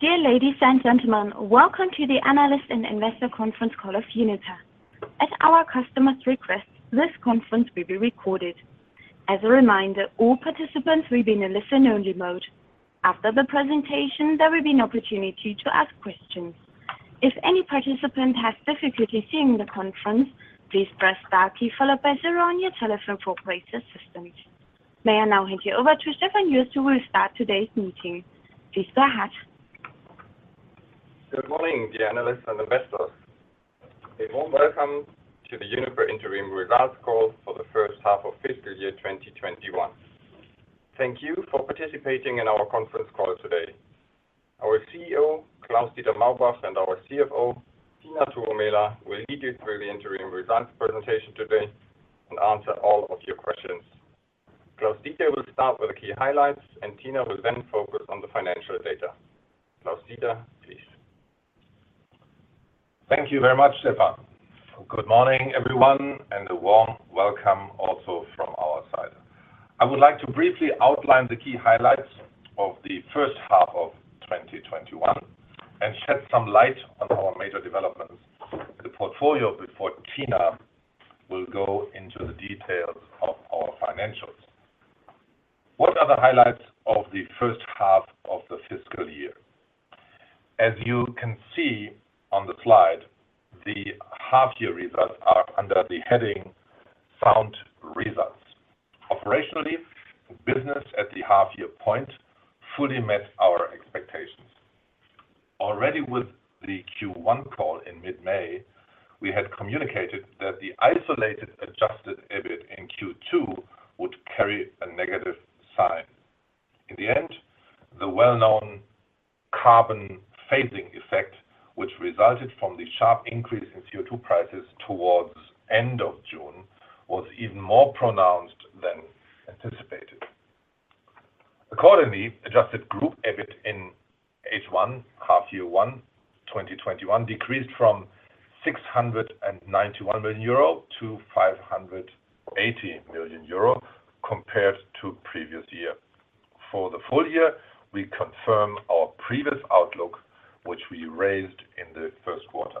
Dear ladies and gentlemen, welcome to the Analyst and Investor Conference Call of Uniper. At our customers' requests, this conference will be recorded. As a reminder, all participants will be in a listen-only mode. After the presentation, there will be an opportunity to ask questions. If any participant has difficulty hearing the conference, please press star key followed by zero on your telephone for operator assistance. May I now hand you over to Stefan Jost, who will start today's meeting. Please go ahead. Good morning, dear analysts and investors. A warm welcome to the Uniper Interim results call for the first half of fiscal year 2021. Thank you for participating in our conference call today. Our CEO, Klaus-Dieter Maubach, and our CFO, Tiina Tuomela, will lead you through the interim results presentation today and answer all of your questions. Klaus-Dieter will start with the key highlights, and Tiina will then focus on the financial data. Klaus-Dieter, please. Thank you very much, Stefan. Good morning, everyone, and a warm welcome also from our side. I would like to briefly outline the key highlights of the first half of 2021 and shed some light on our major developments in the portfolio before Tiina will go into the details of our financials. What are the highlights of the first half of the fiscal year? As you can see on the slide, the half-year results are under the heading "Sound Results." Operationally, the business at the half-year point fully met our expectations. Already with the Q1 call in mid-May, we had communicated that the isolated adjusted EBIT in Q2 would carry a negative sign. In the end, the well-known carbon phasing effect, which resulted from the sharp increase in CO2 prices towards end of June, was even more pronounced than anticipated. Accordingly, adjusted group EBIT in H1, 2021 decreased from 691 million euro to 580 million euro compared to previous year. For the full year, we confirm our previous outlook, which we raised in the first quarter.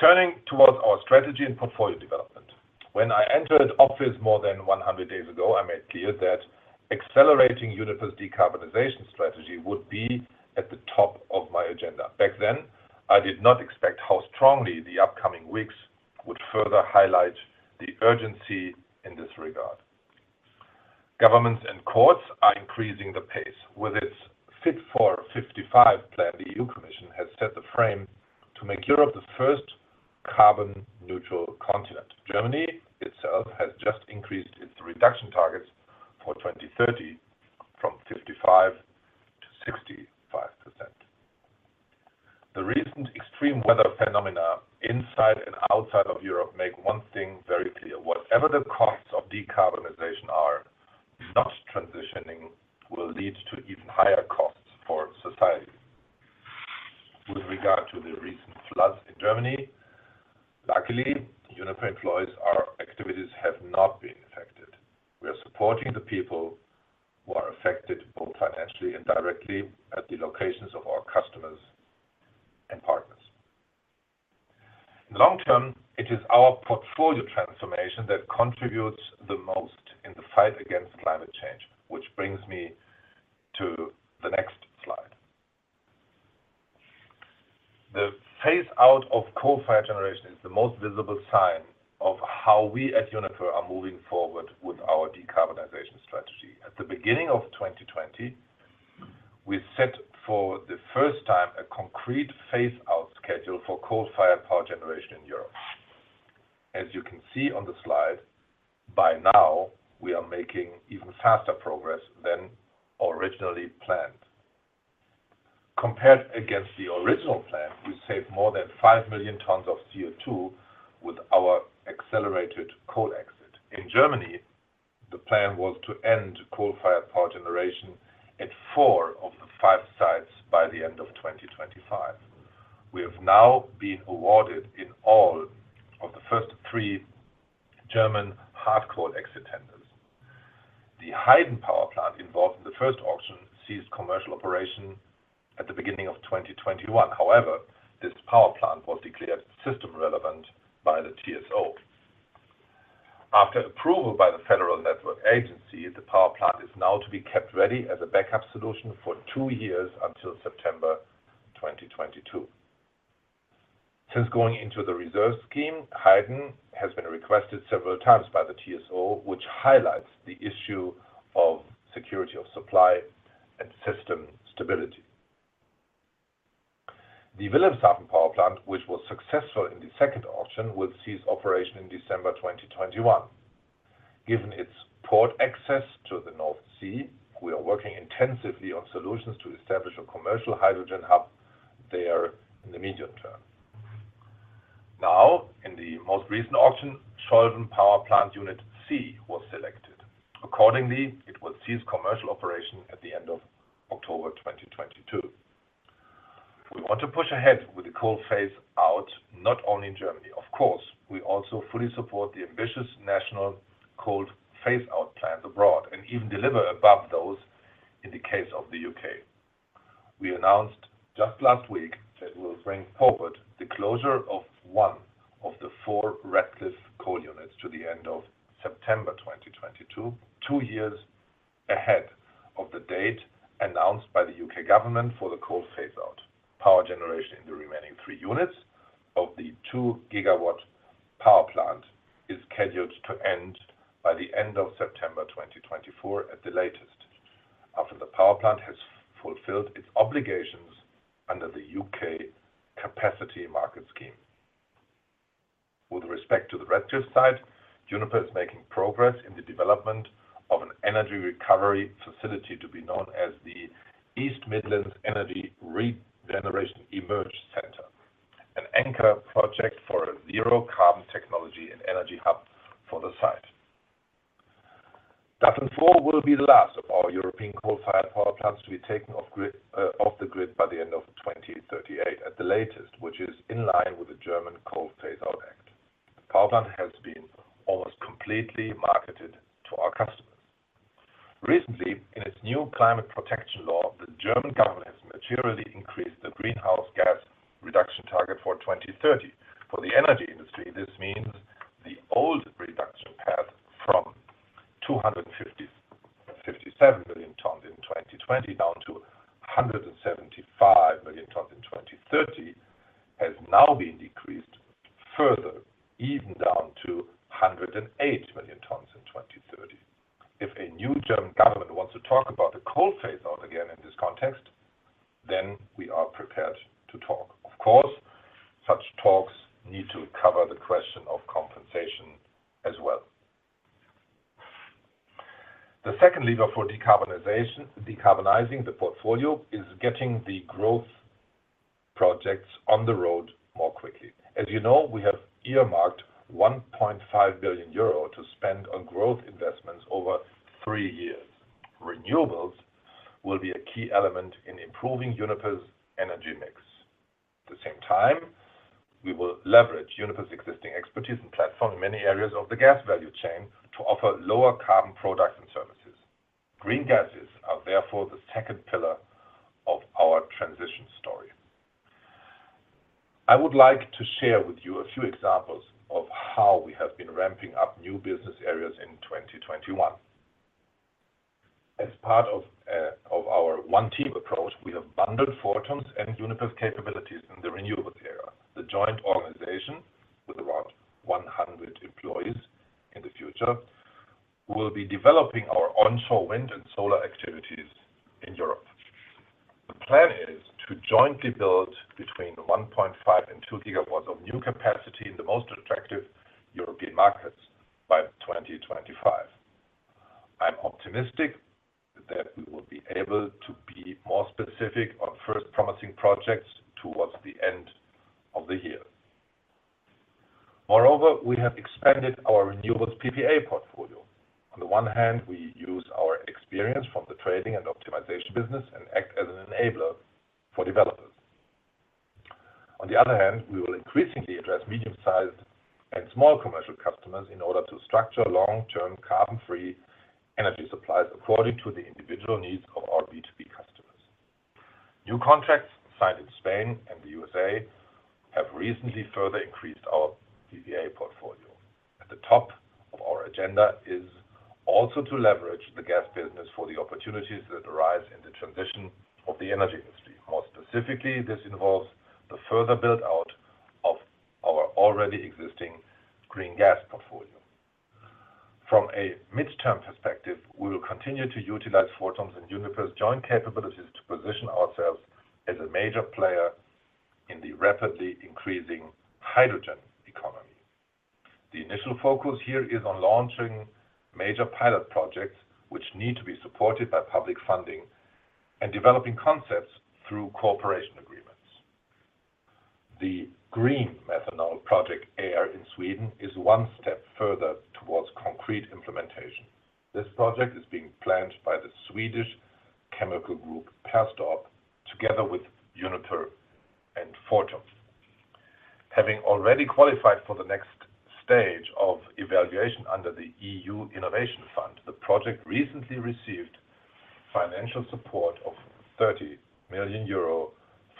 Turning towards our strategy and portfolio development. When I entered office more than 100 days ago, I made clear that accelerating Uniper's decarbonization strategy would be at the top of my agenda. Back then, I did not expect how strongly the upcoming weeks would further highlight the urgency in this regard. Governments and courts are increasing the pace. With its Fit For 55 plan, the EU Commission has set the frame to make Europe the first carbon neutral continent. Germany itself has just increased its reduction targets for 2030 from 55% to 65%. The recent extreme weather phenomena inside and outside of Europe make one thing very clear. Whatever the costs of decarbonization are, not transitioning will lead to even higher costs for society. With regard to the recent floods in Germany, luckily, Uniper employees, our activities have not been affected. We are supporting the people who are affected both financially and directly at the locations of our customers and partners. In the long term, it is our portfolio transformation that contributes the most in the fight against climate change, which brings me to the next slide. The phase out of coal-fired generation is the most visible sign of how we at Uniper are moving forward with our decarbonization strategy. At the beginning of 2020, we set for the first time a concrete phase out schedule for coal-fired power generation in Europe. As you can see on the slide, by now, we are making even faster progress than originally planned. Compared against the original plan, we saved more than 5 million tons of CO2 with our accelerated coal exit. In Germany, the plan was to end coal-fired power generation at four of the five sites by the end of 2025. We have now been awarded in all of the first three German hard coal exit tenders. The Heyden Power Plant involved in the first auction ceased commercial operation at the beginning of 2021. This power plant was declared system relevant by the TSO. After approval by the Federal Network Agency, the power plant is now to be kept ready as a backup solution for two years until September 2022. Since going into the reserve scheme, Heyden has been requested several times by the TSO, which highlights the issue of security of supply and system stability. The Wilhelmshaven Power Plant, which was successful in the second auction, will cease operation in December 2021. Given its port access to the North Sea, we are working intensively on solutions to establish a commercial hydrogen hub there in the medium term. In the most recent auction, Scholven Power Plant Unit C was selected. Accordingly, it will cease commercial operation at the end of October 2022. We want to push ahead with the coal phase out, not only in Germany. Of course, we also fully support the ambitious national coal phase out plans abroad and even deliver above those in the case of the U.K. We announced just last week that we'll bring forward the closure of one of the four Ratcliffe coal units to the end of September 2022, two years ahead of the date announced by the U.K. government for the coal phase out. Power generation in the remaining three units of the 2 GW power plant is scheduled to end by the end of September 2024 at the latest, after the power plant has fulfilled its obligations under the U.K. capacity market scheme. With respect to the Ratcliffe site, Uniper is making progress in the development of an energy recovery facility to be known as the East Midlands Energy Re-Generation EMERGE Centre, an anchor project for a zero-carbon technology and Energy Hub for the site. Datteln 4 will be the last of our European coal-fired power plants to be taken off the grid by the end of 2038 at the latest, which is in line with the German Coal Phase-Out Act. The power plant has been almost completely marketed to our customers. Recently, in its new climate protection law, the German government has materially increased the greenhouse gas reduction target for 2030. For the energy industry, this means the old reduction path from 257 million tons in 2020 down to 175 million tons in 2030, has now been decreased further, even down to 108 million tons in 2030. If a new German government wants to talk about the coal phase out again in this context, then we are prepared to talk. Of course, such talks need to cover the question of compensation as well. The second lever for decarbonizing the portfolio is getting the growth projects on the road more quickly. As you know, we have earmarked 1.5 billion euro to spend on growth investments over three years. Renewables will be a key element in improving Uniper's energy mix. At the same time, we will leverage Uniper's existing expertise and platform in many areas of the gas value chain to offer lower carbon products and services. Green gases are therefore the second pillar of our transition story. I would like to share with you a few examples of how we have been ramping up new business areas in 2021. As part of our One Team Approach, we have bundled Fortum's and Uniper's capabilities in the renewables area. The joint organization, with around 100 employees in the future, will be developing our onshore wind and solar activities in Europe. The plan is to jointly build 1.5 GW-2 GW of new capacity in the most attractive European markets by 2025. I'm optimistic that we will be able to be more specific on first promising projects towards the end of the year. We have expanded our renewables PPA portfolio. On the one hand, we use our experience from the trading and optimization business and act as an enabler for developers. On the other hand, we will increasingly address medium-sized and small commercial customers in order to structure long-term carbon-free energy supplies according to the individual needs of our B2B customers. New contracts signed in Spain and the USA have recently further increased our PPA portfolio. At the top of our agenda is also to leverage the gas business for the opportunities that arise in the transition of the energy industry. More specifically, this involves the further build-out of our already existing green gas portfolio. From a midterm perspective, we will continue to utilize Fortum's and Uniper's joint capabilities to position ourselves as a major player in the rapidly increasing hydrogen economy. The initial focus here is on launching major pilot projects, which need to be supported by public funding and developing concepts through cooperation agreements. The green methanol project, Air, in Sweden is one step further towards concrete implementation. This project is being planned by the Swedish chemical group Perstorp together with Uniper and Fortum. Having already qualified for the next stage of evaluation under the EU Innovation Fund, the project recently received financial support of 30 million euro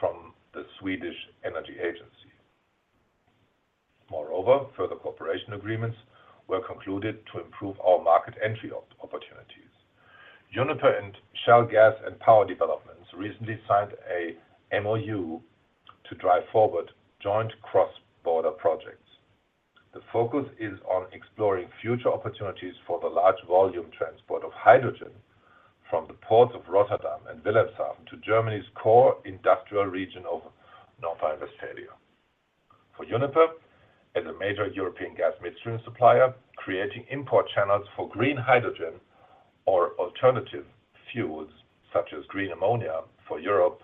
from the Swedish Energy Agency. Moreover, further cooperation agreements were concluded to improve our market entry opportunities. Uniper and Shell Gas & Power Developments recently signed a MOU to drive forward joint cross-border projects. The focus is on exploring future opportunities for the large volume transport of hydrogen from the ports of Rotterdam and Wilhelmshaven to Germany's core industrial region of North Rhine-Westphalia. For Uniper, as a major European gas midstream supplier, creating import channels for green hydrogen or alternative fuels, such as green ammonia for Europe,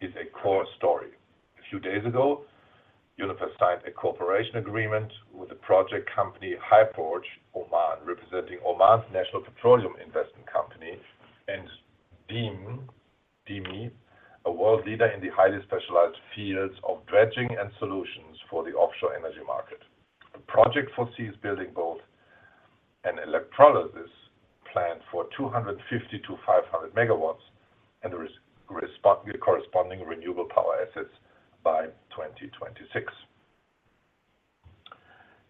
is a core story. A few days ago, Uniper signed a cooperation agreement with the project company HYPORT Oman, representing Oman's national petroleum investment company, and DEME, a world leader in the highly specialized fields of dredging and solutions for the offshore energy market. The project foresees building both an electrolysis plant for 250 MW-500 MW, and the corresponding renewable power assets by 2026.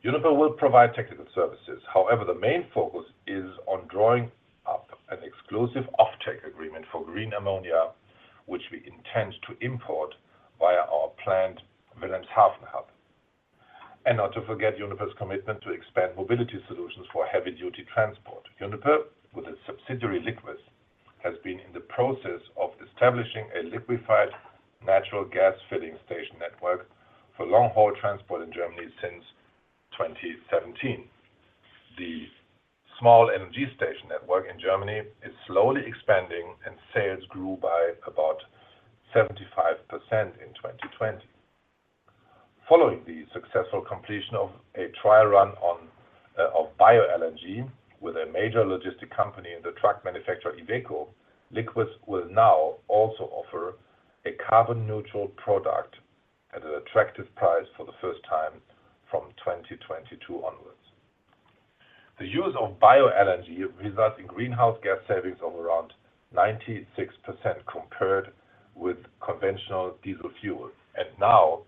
Uniper will provide technical services. The main focus is on drawing up an exclusive offtake agreement for green ammonia, which we intend to import via our planned Wilhelmshaven hub. Not to forget Uniper's commitment to expand mobility solutions for heavy-duty transport. Uniper, with its subsidiary, Liqvis, has been in the process of establishing a liquefied natural gas filling station network for long-haul transport in Germany since 2017. The small LNG station network in Germany is slowly expanding, and sales grew by about 75% in 2020. Following the successful completion of a trial run of bioLNG with a major logistic company and the truck manufacturer, Iveco, Liqvis will now also offer a carbon neutral product at an attractive price for the first time from 2022 onwards. The use of bioLNG results in greenhouse gas savings of around 96% compared with conventional diesel fuel. Now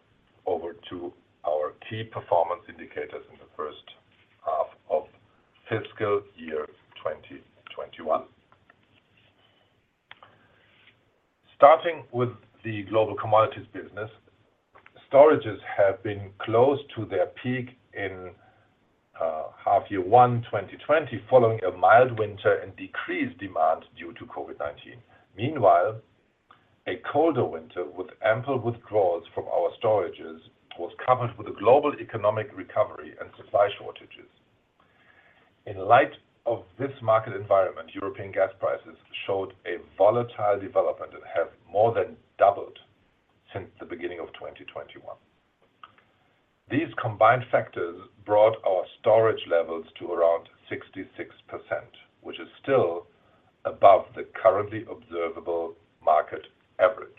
over to our key performance indicators in the first half of fiscal year 2021. Starting with the global commodities business, storages have been close to their peak in half year 1 of 2020, following a mild winter and decreased demand due to COVID-19. Meanwhile, a colder winter with ample withdrawals from our storages was covered with a global economic recovery and supply shortages. In light of this market environment, European gas prices showed a volatile development and have more than doubled since the beginning of 2021. These combined factors brought our storage levels to around 66%, which is still above the currently observable market average.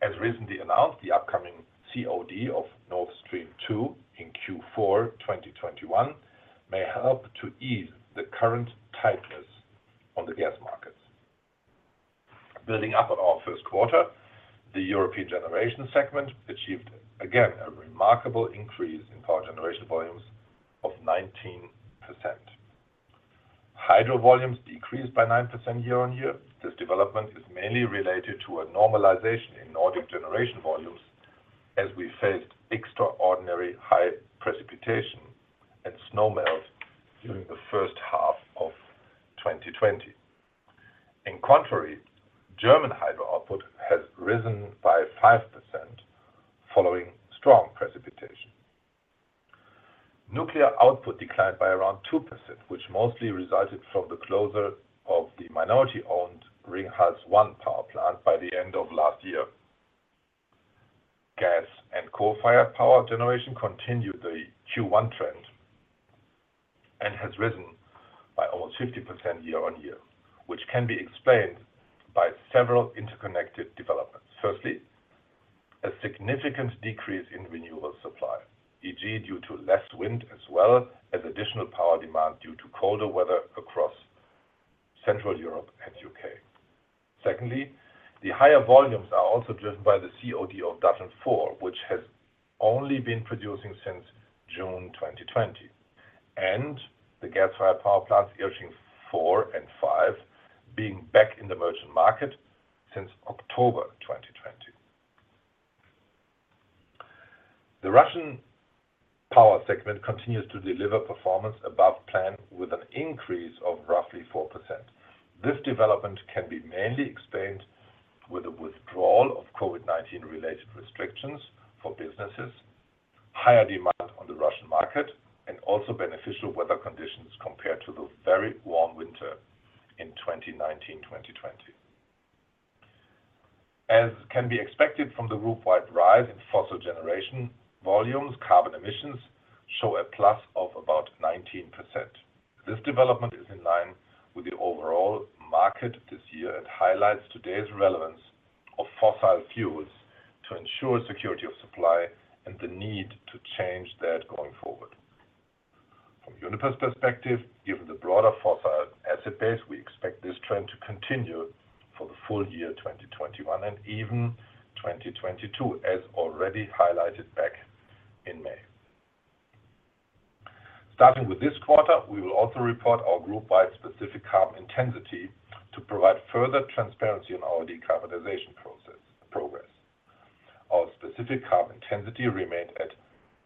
As recently announced, the upcoming COD of Nord Stream 2 in Q4 2021 may help to ease the current tightness on the gas markets. Building up on our first quarter, the European generation segment achieved, again, a remarkable increase in power generation volumes of 19%. Hydro volumes decreased by 9% year-on-year. This development is mainly related to a normalization in Nordic generation volumes as we faced extraordinary high precipitation and snow melt during the first half of 2020. In contrast, German hydro output has risen by 5% following strong precipitation. Nuclear output declined by around 2%, which mostly resulted from the closure of the minority-owned Ringhals 1 power plant by the end of last year. Gas and coal-fired power generation continued the Q1 trend and has risen by almost 50% year-on-year, which can be explained by several interconnected developments. Firstly, a significant decrease in renewable supply, e.g., due to less wind, as well as additional power demand due to colder weather across Central Europe and U.K. Secondly, the higher volumes are also driven by the COD of Datteln 4, which has only been producing since June 2020, and the gas-fired power plants Irsching 4 and 5 being back in the merchant market since October 2020. The Russian power segment continues to deliver performance above plan with an increase of roughly 4%. This development can be mainly explained with a withdrawal of COVID-19 related restrictions for businesses, higher demand on the Russian market, and also beneficial weather conditions compared to the very warm winter in 2019/2020. As can be expected from the group-wide rise in fossil generation volumes, carbon emissions show a plus of about 19%. This development is in line with the overall market this year and highlights today's relevance of fossil fuels to ensure security of supply and the need to change that going forward. From Uniper's perspective, given the broader fossil asset base, we expect this trend to continue for the full year 2021, and even 2022, as already highlighted back in May. Starting with this quarter, we will also report our group-wide specific carbon intensity to provide further transparency on our decarbonization progress. Our specific carbon intensity remained at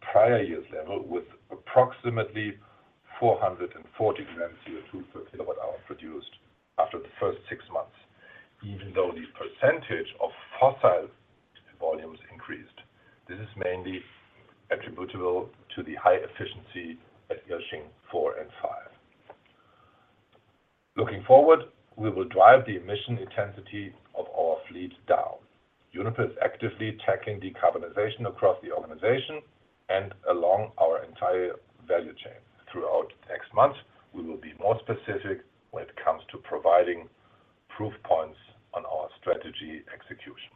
prior year's level with approximately 440 gms CO2 per kWh produced after the first six months, even though the percentage of fossil volumes increased. This is mainly attributable to the high efficiency at Jänschwalde 4 and 5. Looking forward, we will drive the emission intensity of our fleet down. Uniper is actively tackling decarbonization across the organization and along our entire value chain. Throughout the next months, we will be more specific when it comes to providing proof points on our strategy execution.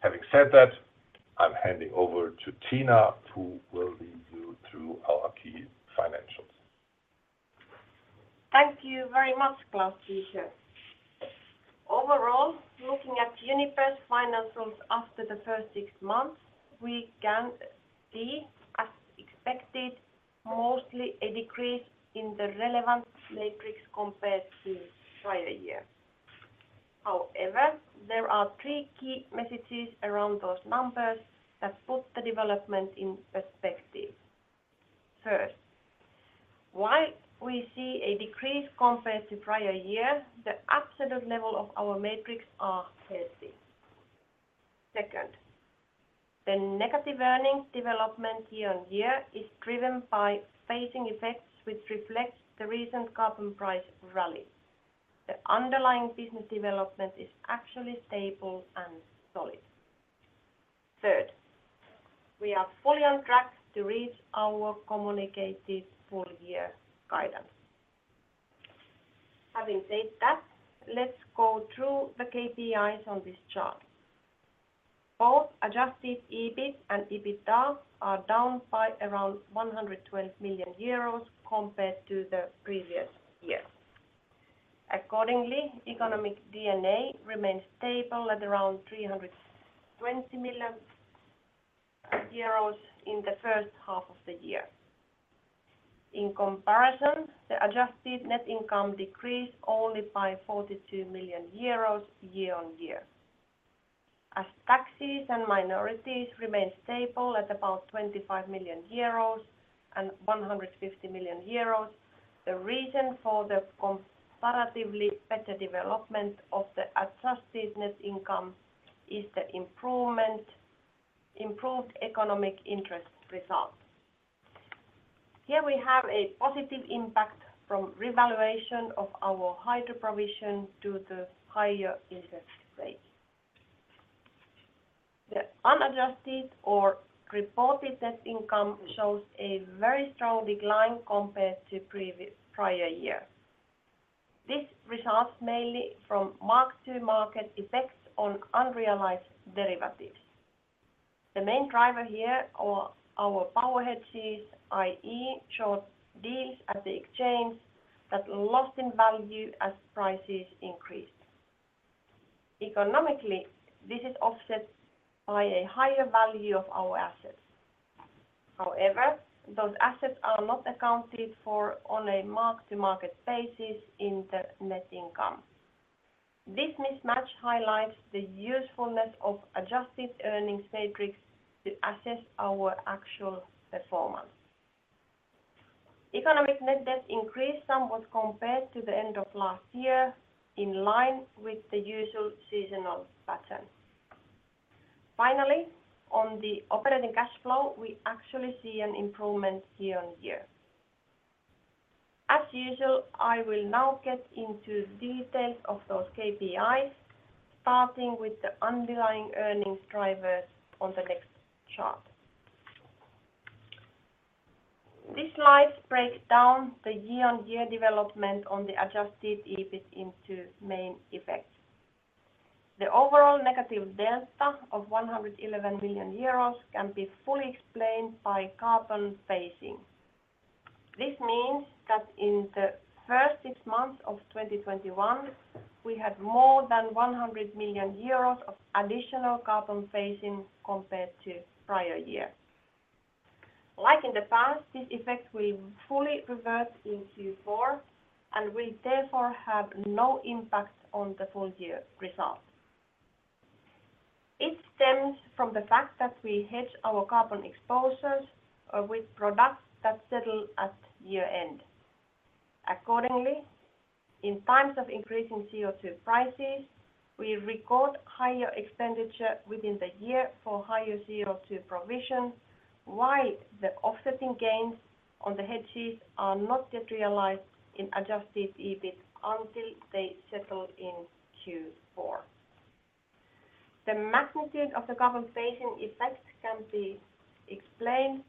Having said that, I'm handing over to Tiina, who will lead you through our key financials. Thank you very much, Klaus-Dieter. Overall, looking at Uniper's financials after the first six months, we can see, as expected, mostly a decrease in the relevant metrics compared to prior year. There are three key messages around those numbers that put the development in perspective. First, while we see a decrease compared to prior year, the absolute level of our metrics are healthy. Second, the negative earnings development year-on-year is driven by phasing effects, which reflects the recent carbon price rally. The underlying business development is actually stable and solid. Third, we are fully on track to reach our communicated full-year guidance. Having said that, let's go through the KPIs on this chart. Both adjusted EBIT and EBITDA are down by around 112 million euros compared to the previous year. Accordingly, economic D&A remains stable at around 320 million euros in the first half of the year. In comparison, the adjusted net income decreased only by 42 million euros year-on-year. As taxes and minorities remain stable at about 25 million euros and 150 million euros, the reason for the comparatively better development of the adjusted net income is the improved economic interest result. Here we have a positive impact from revaluation of our hydro provision due to higher interest rates. The unadjusted or reported net income shows a very strong decline compared to prior year. This results mainly from mark-to-market effects on unrealized derivatives. The main driver here are our power hedges, i.e., short deals at the exchange that lost in value as prices increased. Economically, this is offset by a higher value of our assets. However, those assets are not accounted for on a mark-to-market basis in the net income. This mismatch highlights the usefulness of adjusted earnings metrics to assess our actual performance. Economic net debt increased somewhat compared to the end of last year, in line with the usual seasonal pattern. Finally, on the operating cash flow, we actually see an improvement year-on-year. As usual, I will now get into details of those KPIs, starting with the underlying earnings drivers on the next chart. This slide breaks down the year-on-year development on the adjusted EBIT into main effects. The overall negative delta of 111 million euros can be fully explained by carbon phasing. This means that in the first six months of 2021, we had more than 100 million euros of additional carbon phasing compared to prior year. Like in the past, this effect will fully revert in Q4 and will therefore have no impact on the full-year result. It stems from the fact that we hedge our carbon exposures with products that settle at year-end. Accordingly, in times of increasing CO2 prices, we record higher expenditure within the year for higher CO2 provision, while the offsetting gains on the hedges are not yet realized in adjusted EBIT until they settle in Q4. The magnitude of the carbon phasing effect can be explained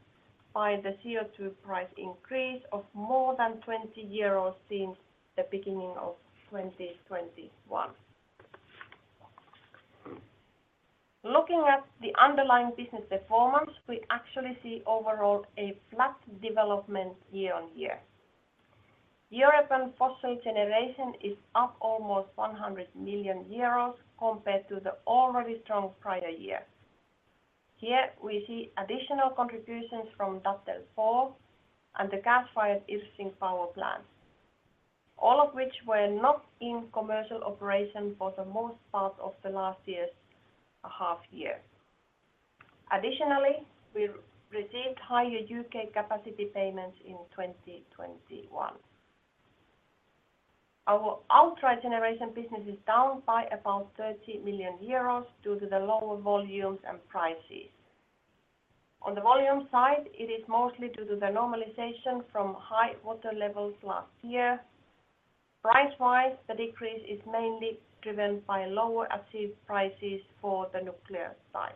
by the CO2 price increase of more than 20 euros since the beginning of 2021. Looking at the underlying business performance, we actually see overall a flat development year-on-year. European fossil generation is up almost 100 million euros compared to the already strong prior year. Here we see additional contributions from Datteln 4 and the gas-fired Irsching power plant, all of which were not in commercial operation for the most part of the last year's half year. Additionally, we received higher UK capacity payments in 2021. Our hydro generation business is down by about 30 million euros due to the lower volumes and prices. On the volume side, it is mostly due to the normalization from high water levels last year. Price-wise, the decrease is mainly driven by lower achieved prices for the nuclear side.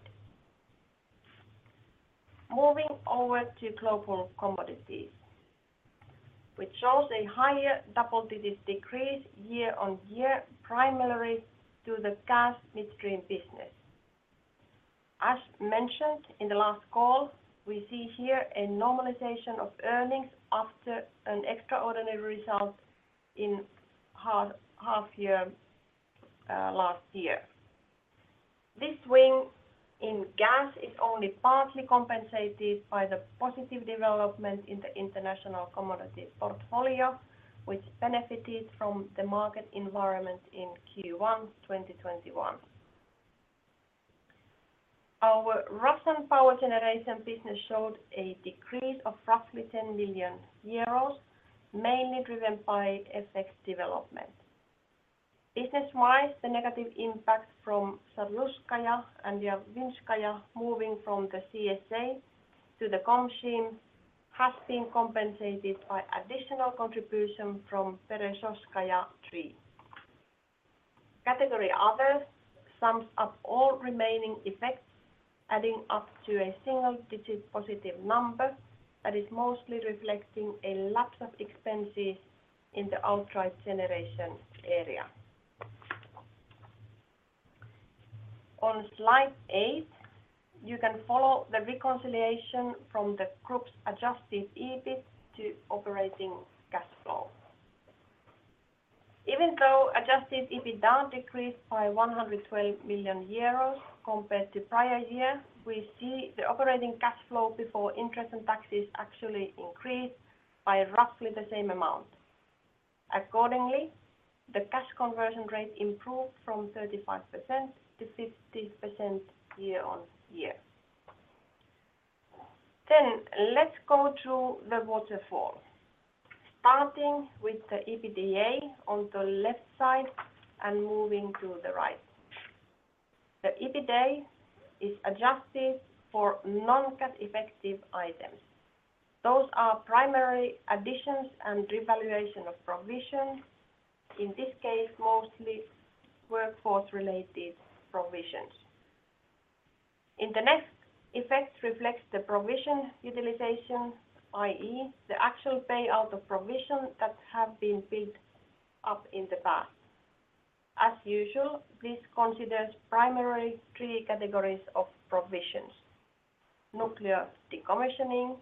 Moving over to global commodities, which shows a higher double-digit decrease year-on-year, primarily to the gas midstream business. As mentioned in the last call, we see here a normalization of earnings after an extraordinary result in half year last year. This swing in gas is only partly compensated by the positive development in the international commodity portfolio, which benefited from the market environment in Q1 2021. Our Russian power generation business showed a decrease of roughly 10 million euros, mainly driven by FX development. Business-wise, the negative impact from Shaturskaya and Yaivinskaya moving from the CSA to the KOM has been compensated by additional contribution from Berezovskaya 3. Category Other sums up all remaining effects, adding up to a single-digit positive number that is mostly reflecting a lapse of expenses in the outright generation area. On slide eight, you can follow the reconciliation from the group's adjusted EBIT to operating cash flow. Even though adjusted EBITDA decreased by 112 million euros compared to prior year, we see the operating cash flow before interest and taxes actually increased by roughly the same amount. Accordingly, the cash conversion rate improved from 35% to 50% year-on-year. Let's go to the waterfall. Starting with the EBITDA on the left side and moving to the right. The EBITDA is adjusted for non-cash effective items. Those are primary additions and revaluation of provisions, in this case, mostly workforce-related provisions. In the next, effects reflects the provision utilization, i.e., the actual payout of provisions that have been built up in the past. As usual, this considers primary three categories of provisions: nuclear decommissioning,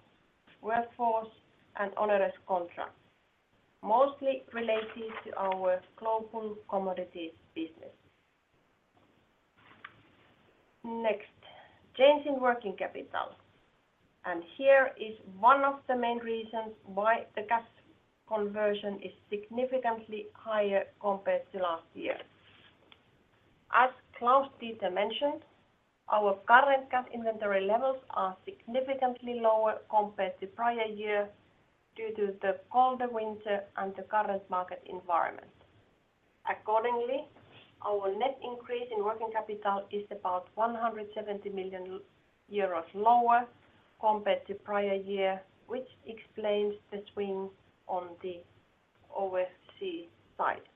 workforce, and onerous contracts, mostly related to our global commodities business. Next, change in working capital, and here is one of the main reasons why the cash conversion is significantly higher compared to last year. As Klaus-Dieter mentioned, our current gas inventory levels are significantly lower compared to prior year due to the colder winter and the current market environment. Accordingly, our net increase in working capital is about 170 million euros lower compared to prior year, which explains the swing on the OCF side.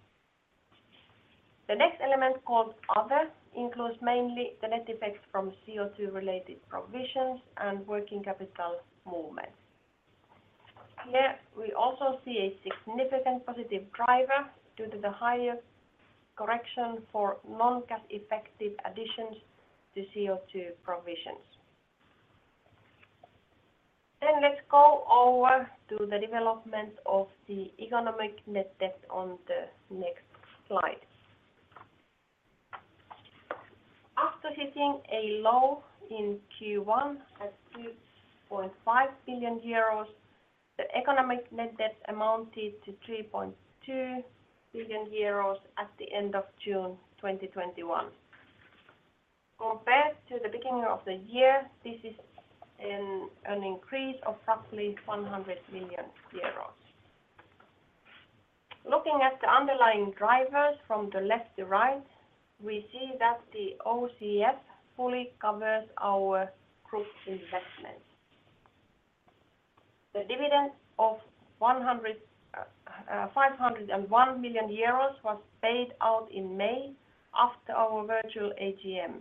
The next element, called other, includes mainly the net effects from CO2-related provisions and working capital movements. Here we also see a significant positive driver due to the higher correction for non-cash effective additions to CO2 provisions. Let's go over to the development of the economic net debt on the next slide. After hitting a low in Q1 at 2.5 billion euros, the economic net debt amounted to 3.2 billion euros at the end of June 2021. Compared to the beginning of the year, this is an increase of roughly 100 million euros. Looking at the underlying drivers from the left to right, we see that the OCF fully covers our group's investments. The dividend of 501 million euros was paid out in May after our virtual AGM.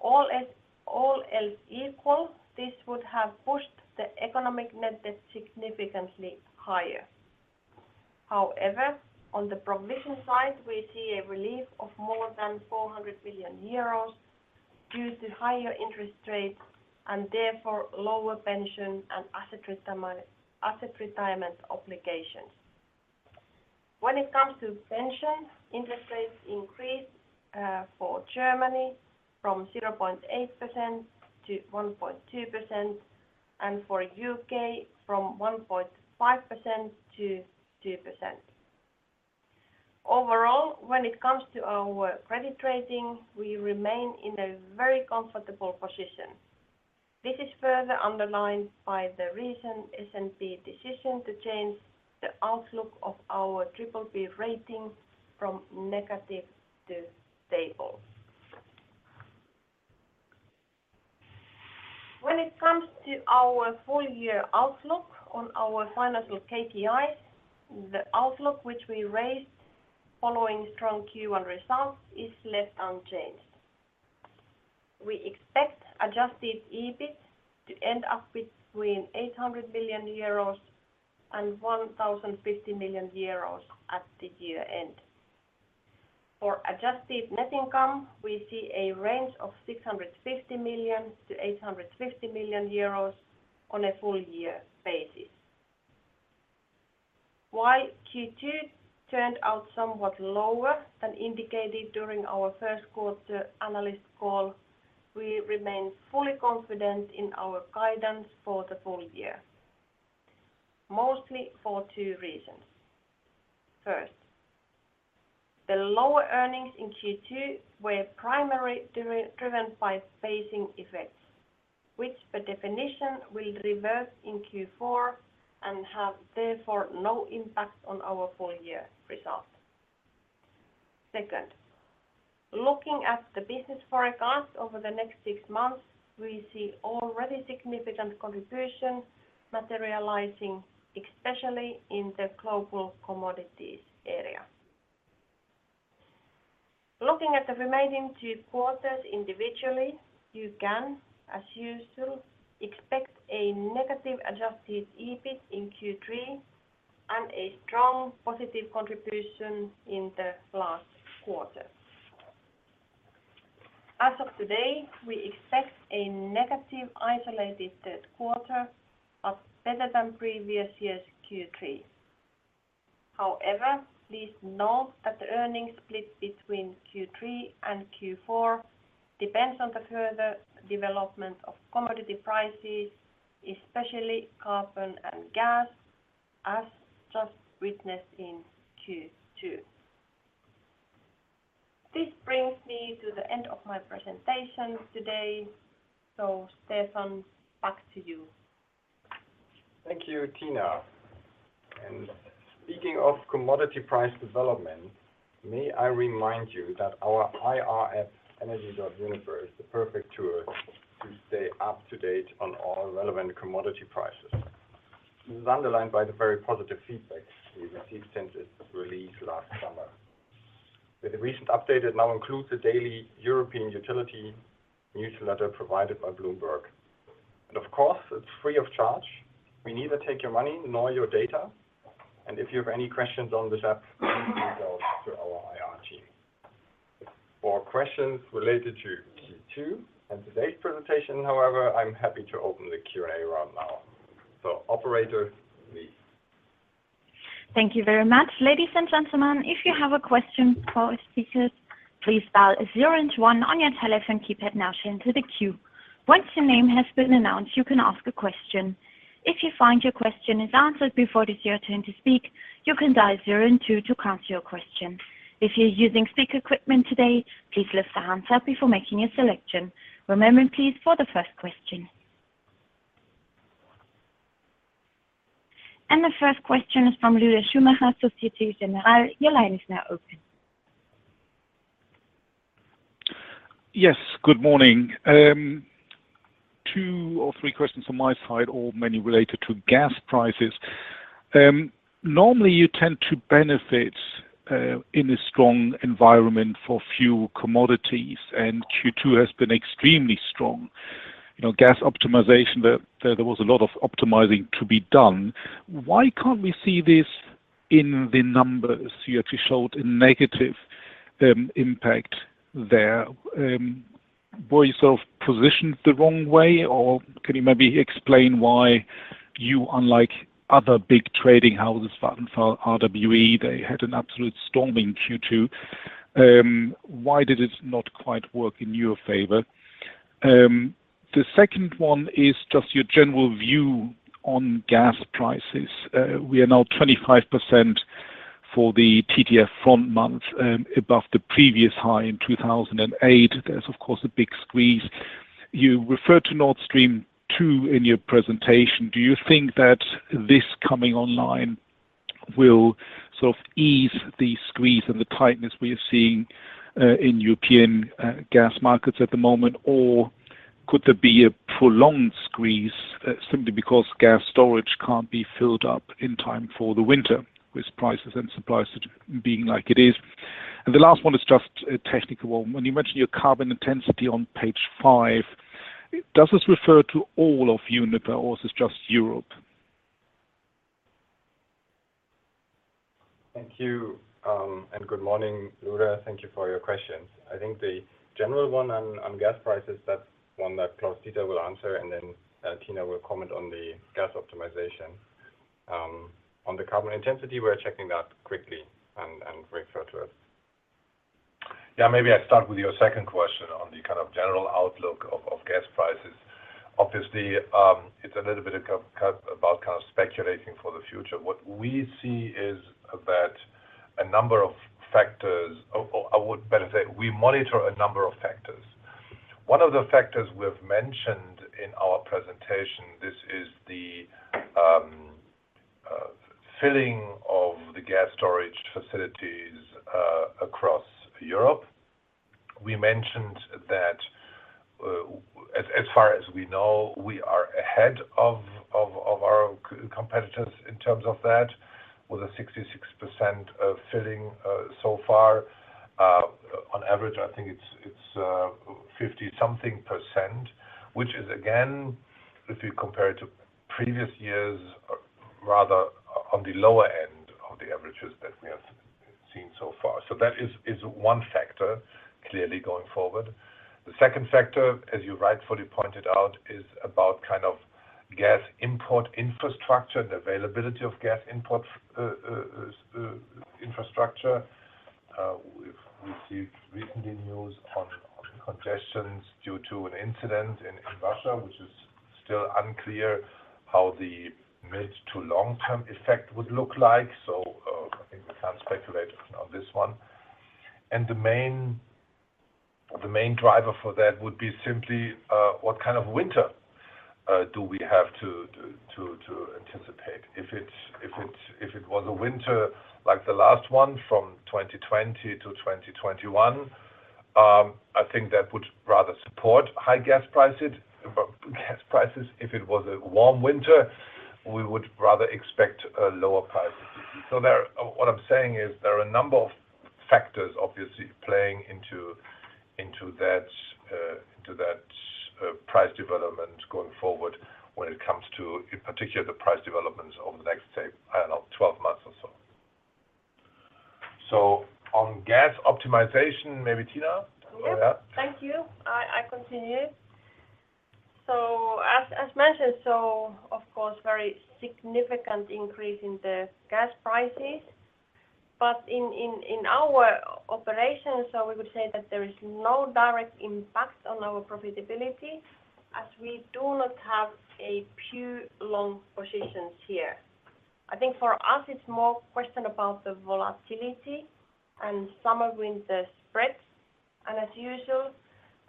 All else equal, this would have pushed the economic net debt significantly higher. On the provision side, we see a relief of more than 400 million euros due to higher interest rates and therefore lower pension and asset retirement obligations. When it comes to pension, interest rates increased for Germany from 0.8% to 1.2%, and for U.K. from 1.5% to 2%. Overall, when it comes to our credit rating, we remain in a very comfortable position. This is further underlined by the recent S&P decision to change the outlook of our BBB rating from negative to stable. When it comes to our full-year outlook on our financial KPIs, the outlook, which we raised following strong Q1 results, is left unchanged. We expect adjusted EBIT to end up between 800 million euros and 1,050 million euros at the year-end. For adjusted net income, we see a range of 650 million-850 million euros on a full-year basis. While Q2 turned out somewhat lower than indicated during our first quarter analyst call, we remain fully confident in our guidance for the full year, mostly for two reasons. First, the lower earnings in Q2 were primarily driven by phasing effects, which by definition will reverse in Q4 and have therefore no impact on our full-year results. Second, looking at the business forecast over the next six months, we see already significant contribution materializing, especially in the global commodities area. Looking at the remaining two quarters individually, you can, as usual, expect a negative adjusted EBIT in Q3 and a strong positive contribution in the last quarter. As of today, we expect a negative isolated third quarter, but better than previous years Q3. Please note that the earnings split between Q3 and Q4 depends on the further development of commodity prices, especially carbon and gas, as just witnessed in Q2. This brings me to the end of my presentation today. Stefan, back to you. Thank you, Tiina. Speaking of commodity price development, may I remind you that our IR app Energy Hub Uniper is the perfect tool to stay up to date on all relevant commodity prices. This is underlined by the very positive feedback we received since its release last summer. With the recent update, it now includes the daily European utility newsletter provided by Bloomberg. Of course, it's free of charge. We neither take your money nor your data. If you have any questions on this app, please reach out to our IR team. For questions related to Q2 and today's presentation, however, I'm happy to open the Q&A round now. Operator, please. Thank you very much. Ladies and gentlemen, if you have a question for our speakers, please dial zero and one on your telephone keypad now to enter the queue. Once your name has been announced, you can ask a question. If you find your question is answered before it is your turn to speak, you can dial zero and two to cancel your question. If you're using speaker equipment today, please lift the handset before making a selection. Remember please for the first question. The first question is from Lueder Schumacher, Societe Generale. Your line is now open. Yes, good morning. Two or three questions on my side, all mainly related to gas prices. Normally, you tend to benefit in a strong environment for fuel commodities, and Q2 has been extremely strong. Gas optimization, there was a lot of optimizing to be done. Why can't we see this in the numbers? You actually showed a negative impact there. Were you sort of positioned the wrong way, or can you maybe explain why you, unlike other big trading houses, Vattenfall, RWE, they had an absolute storm in Q2. Why did it not quite work in your favor? The second one is just your general view on gas prices. We are now 25% for the TTF front month above the previous high in 2008. There's, of course, a big squeeze. You referred to Nord Stream 2 in your presentation. Do you think that this coming online will sort of ease the squeeze and the tightness we are seeing in European gas markets at the moment? Could there be a prolonged squeeze simply because gas storage can't be filled up in time for the winter, with prices and supplies being like it is? The last one is just a technical one. When you mentioned your carbon intensity on page five, does this refer to all of Uniper, or is this just Europe? Thank you, good morning, Lueder. Thank you for your questions. I think the general one on gas prices, that's one that Klaus-Dieter will answer, Tiina will comment on the gas optimization. On the carbon intensity, we're checking that quickly and refer to it. Maybe I start with your second question on the kind of general outlook of gas prices. Obviously, it's a little bit about kind of speculating for the future. What we see is that we monitor a number of factors. One of the factors we've mentioned in our presentation, this is the filling of the gas storage facilities across Europe. We mentioned that, as far as we know, we are ahead of our competitors in terms of that, with a 66% of filling so far. On average, I think it's 50 something %, which is again, if you compare it to previous years, rather on the lower end of the averages that we have seen so far. That is one factor clearly going forward. The second factor, as you rightfully pointed out, is about gas import infrastructure and availability of gas import infrastructure. We've received recently news on congestions due to an incident in Russia, which is still unclear how the mid to long-term effect would look like. I think we can't speculate on this one. The main driver for that would be simply, what kind of winter do we have to anticipate? If it was a winter like the last one from 2020 to 2021, I think that would rather support high gas prices. If it was a warm winter, we would rather expect a lower price. What I'm saying is there are a number of factors obviously playing into that price development going forward when it comes to, in particular, the price developments over the next, say, I don't know, 12 months or so. On gas optimization, maybe Tiina? Yeah. Thank you. I continue. As mentioned, of course, very significant increase in the gas prices, but in our operations, we would say that there is no direct impact on our profitability as we do not have a pure long positions here. I think for us, it's more question about the volatility and summer/winter spreads. As usual,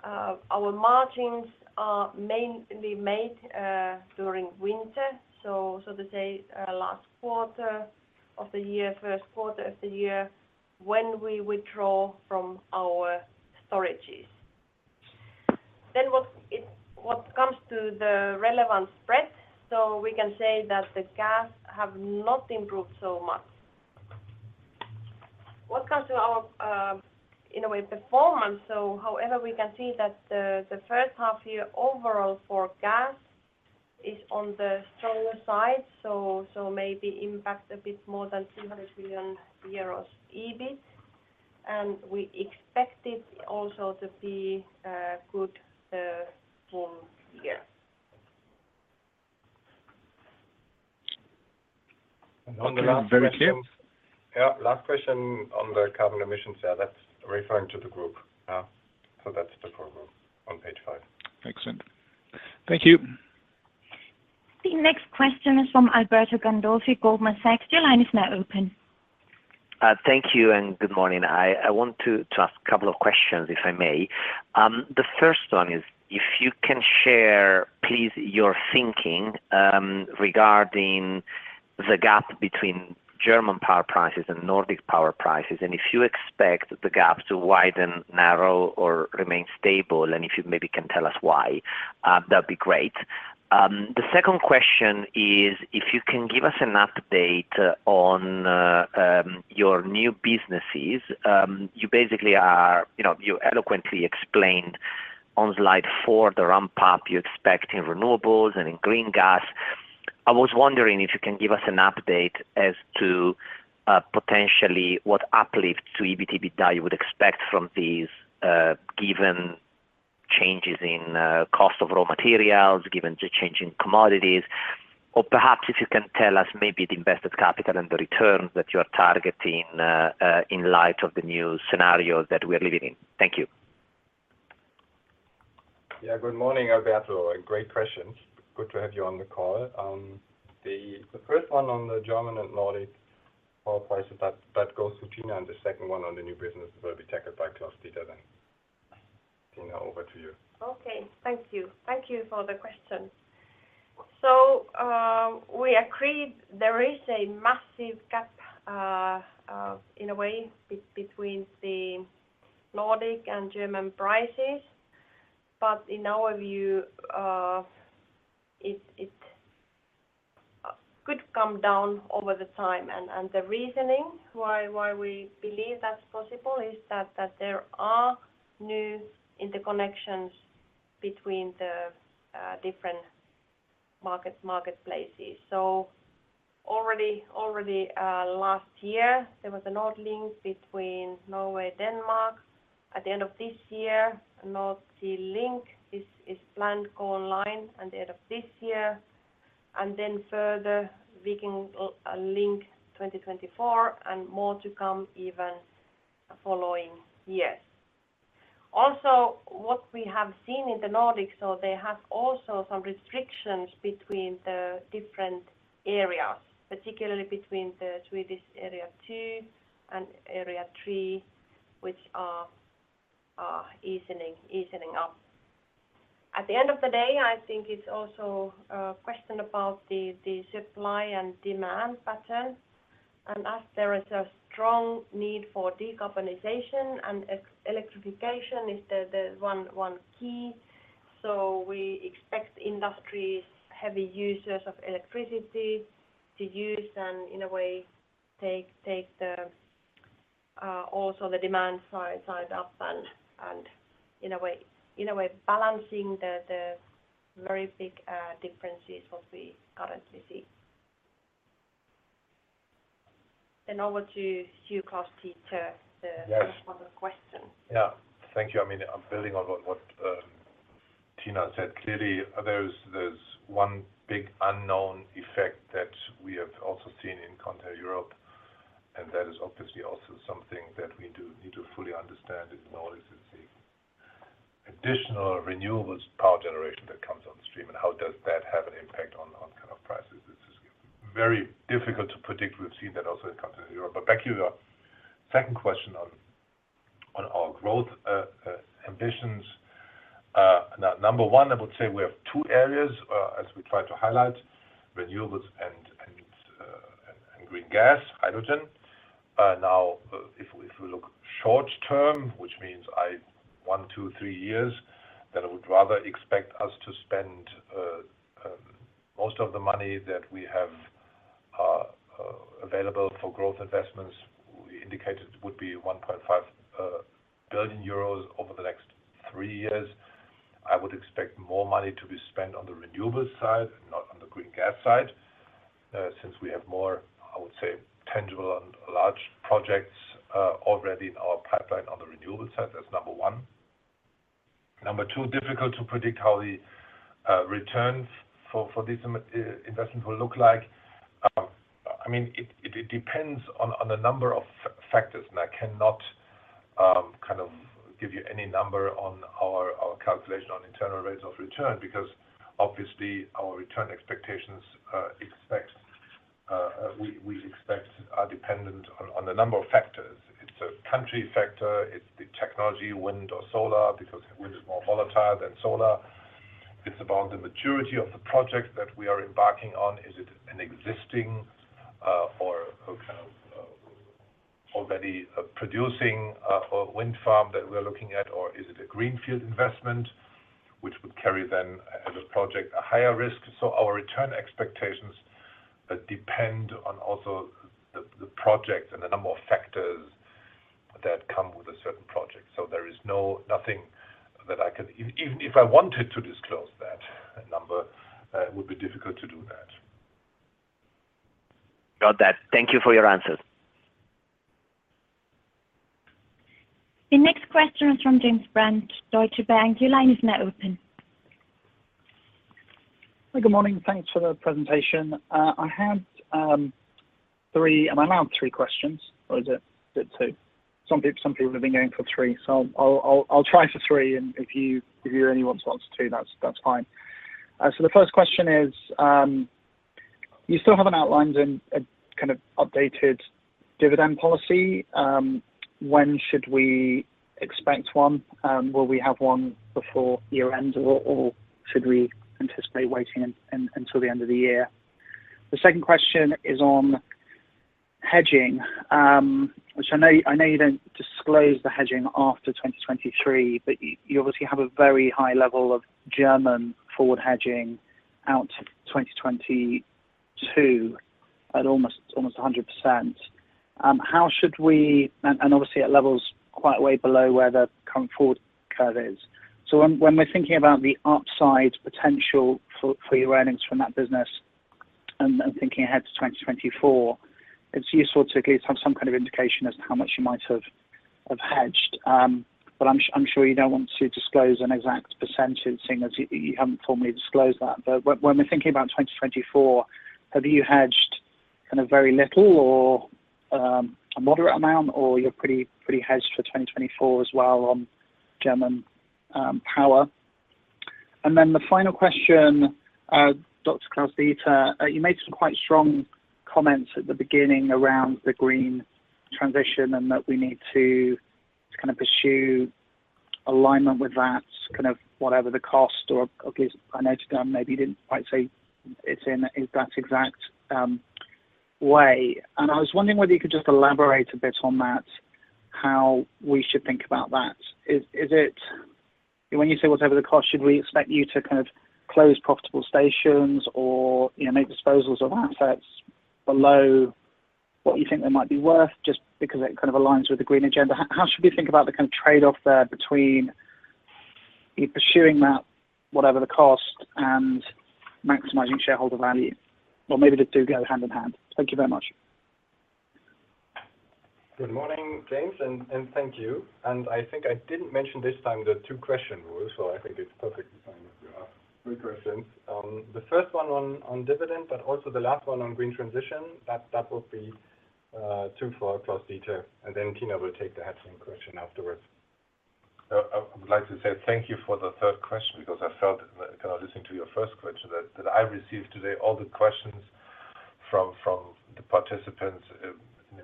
our margins are mainly made during winter, so to say, last quarter of the year, first quarter of the year, when we withdraw from our storages. What comes to the relevant spread, we can say that the gas have not improved so much. What comes to our, in a way, performance, however, we can see that the first half year overall for gas is on the stronger side, so maybe impact a bit more than 200 million euros EBIT. We expect it also to be a good full year. Okay. Very clear. On the last question. Yeah, last question on the carbon emissions there, that's referring to the group. That's the program on page five. Excellent. Thank you. The next question is from Alberto Gandolfi, Goldman Sachs. Your line is now open. Thank you and good morning. I want to ask two questions, if I may. The first one is, if you can share, please, your thinking regarding the gap between German power prices and Nordic power prices, and if you expect the gap to widen, narrow, or remain stable, and if you maybe can tell us why, that'd be great. The second question is, if you can give us an update on your new businesses. You eloquently explained on slide four the ramp-up you expect in renewables and in green gas. I was wondering if you can give us an update as to potentially what uplift to EBITDA you would expect from these, given changes in cost of raw materials, given the change in commodities, or perhaps if you can tell us maybe the invested capital and the returns that you're targeting, in light of the new scenario that we are living in. Thank you. Yeah. Good morning, Alberto. Great questions. Good to have you on the call. The first one on the German and Nordic power prices, that goes to Tiina. The second one on the new businesses will be tackled by Klaus-Dieter then. Tiina, over to you. Okay. Thank you. Thank you for the question. We agreed there is a massive gap, in a way, between the Nordic and German prices. In our view, it could come down over the time. The reasoning why we believe that's possible is that there are new interconnections between the different marketplaces. Already last year, there was a NordLink between Norway, Denmark. At the end of this year, North Sea Link is planned go online at the end of this year. Then further, Viking Link 2024 and more to come even following years. Also, what we have seen in the Nordics, they have also some restrictions between the different areas, particularly between the Swedish area two and area three, which are easing up. At the end of the day, I think it's also a question about the supply and demand pattern. As there is a strong need for decarbonization and electrification is the one key, we expect industries, heavy users of electricity, to use and in a way take also the demand side up and in a way balancing the very big differences what we currently see. Over to you, Klaus-Dieter, the first part of the question. Yes. Yeah. Thank you. I am building on what Tiina said. Clearly, there is one big unknown effect that we have also seen in continental Europe, and that is obviously also something that we do need to fully understand and notice is the additional renewables power generation that comes on stream, and how does that have an impact on kind of prices. This is very difficult to predict. We have seen that also in continental Europe. Back to your second question on our growth ambitions. Number one, I would say we have two areas, as we try to highlight, renewables and green gas, hydrogen. If we look short term, which means one, two, three years, then I would rather expect us to spend most of the money that we have available for growth investments, we indicated would be 1.5 billion euros over the next three years. I would expect more money to be spent on the renewables side and not on the green gas side, since we have more, I would say, tangible and large projects already in our pipeline on the renewables side. That's number one. Number two, difficult to predict how the returns for these investments will look like. It depends on a number of factors, and I cannot give you any number on our calculation on internal rates of return because obviously our return expectations, we expect are dependent on a number of factors. It's a country factor. It's the technology, wind or solar, because wind is more volatile than solar. It's about the maturity of the projects that we are embarking on. Is it an existing or already producing wind farm that we're looking at, or is it a greenfield investment, which would carry then, as a project, a higher risk? Our return expectations depend on also the project and the number of factors that come with a certain project. There is nothing that I can. Even if I wanted to disclose that number, it would be difficult to do that. Got that. Thank you for your answers. The next question is from James Brand, Deutsche Bank. Your line is now open. Good morning. Thanks for the presentation. Am I allowed three questions, or is it two? Some people have been going for three, so I'll try for three, and if you only want to answer two, that's fine. The first question is, you still haven't outlined an updated dividend policy. When should we expect one? Will we have one before year-end, or should we anticipate waiting until the end of the year? The second question is on hedging, which I know you don't disclose the hedging after 2023, but you obviously have a very high level of German forward hedging out to 2022 at almost 100%. Obviously at levels quite way below where the current forward curve is. When we're thinking about the upside potential for your earnings from that business and thinking ahead to 2024, it's useful to at least have some kind of indication as to how much you might have hedged. I'm sure you don't want to disclose an exact percentage, seeing as you haven't formally disclosed that. When we're thinking about 2024, have you hedged very little or a moderate amount, or you're pretty hedged for 2024 as well on German power? The final question, Dr. Dieter, you made some quite strong comments at the beginning around the green transition and that we need to kind of pursue alignment with that, kind of whatever the cost, or at least I noted down, maybe you didn't quite say it in that exact way. I was wondering whether you could just elaborate a bit on that, how we should think about that. When you say whatever the cost, should we expect you to close profitable stations or make disposals of assets below what you think they might be worth just because it kind of aligns with the green agenda? How should we think about the kind of trade-off there between you pursuing that, whatever the cost, and maximizing shareholder value? Maybe the two go hand in hand. Thank you very much. Good morning, James, and thank you. I think I didn't mention this time the two-question rule, so I think it's perfectly fine if you ask three questions. The first one on dividend, but also the last one on green transition, that would be two for Klaus-Dieter, and then Tiina will take the hedging question afterwards. I would like to say thank you for the third question because I felt, kind of listening to your first question, that I received today all the questions from the participants,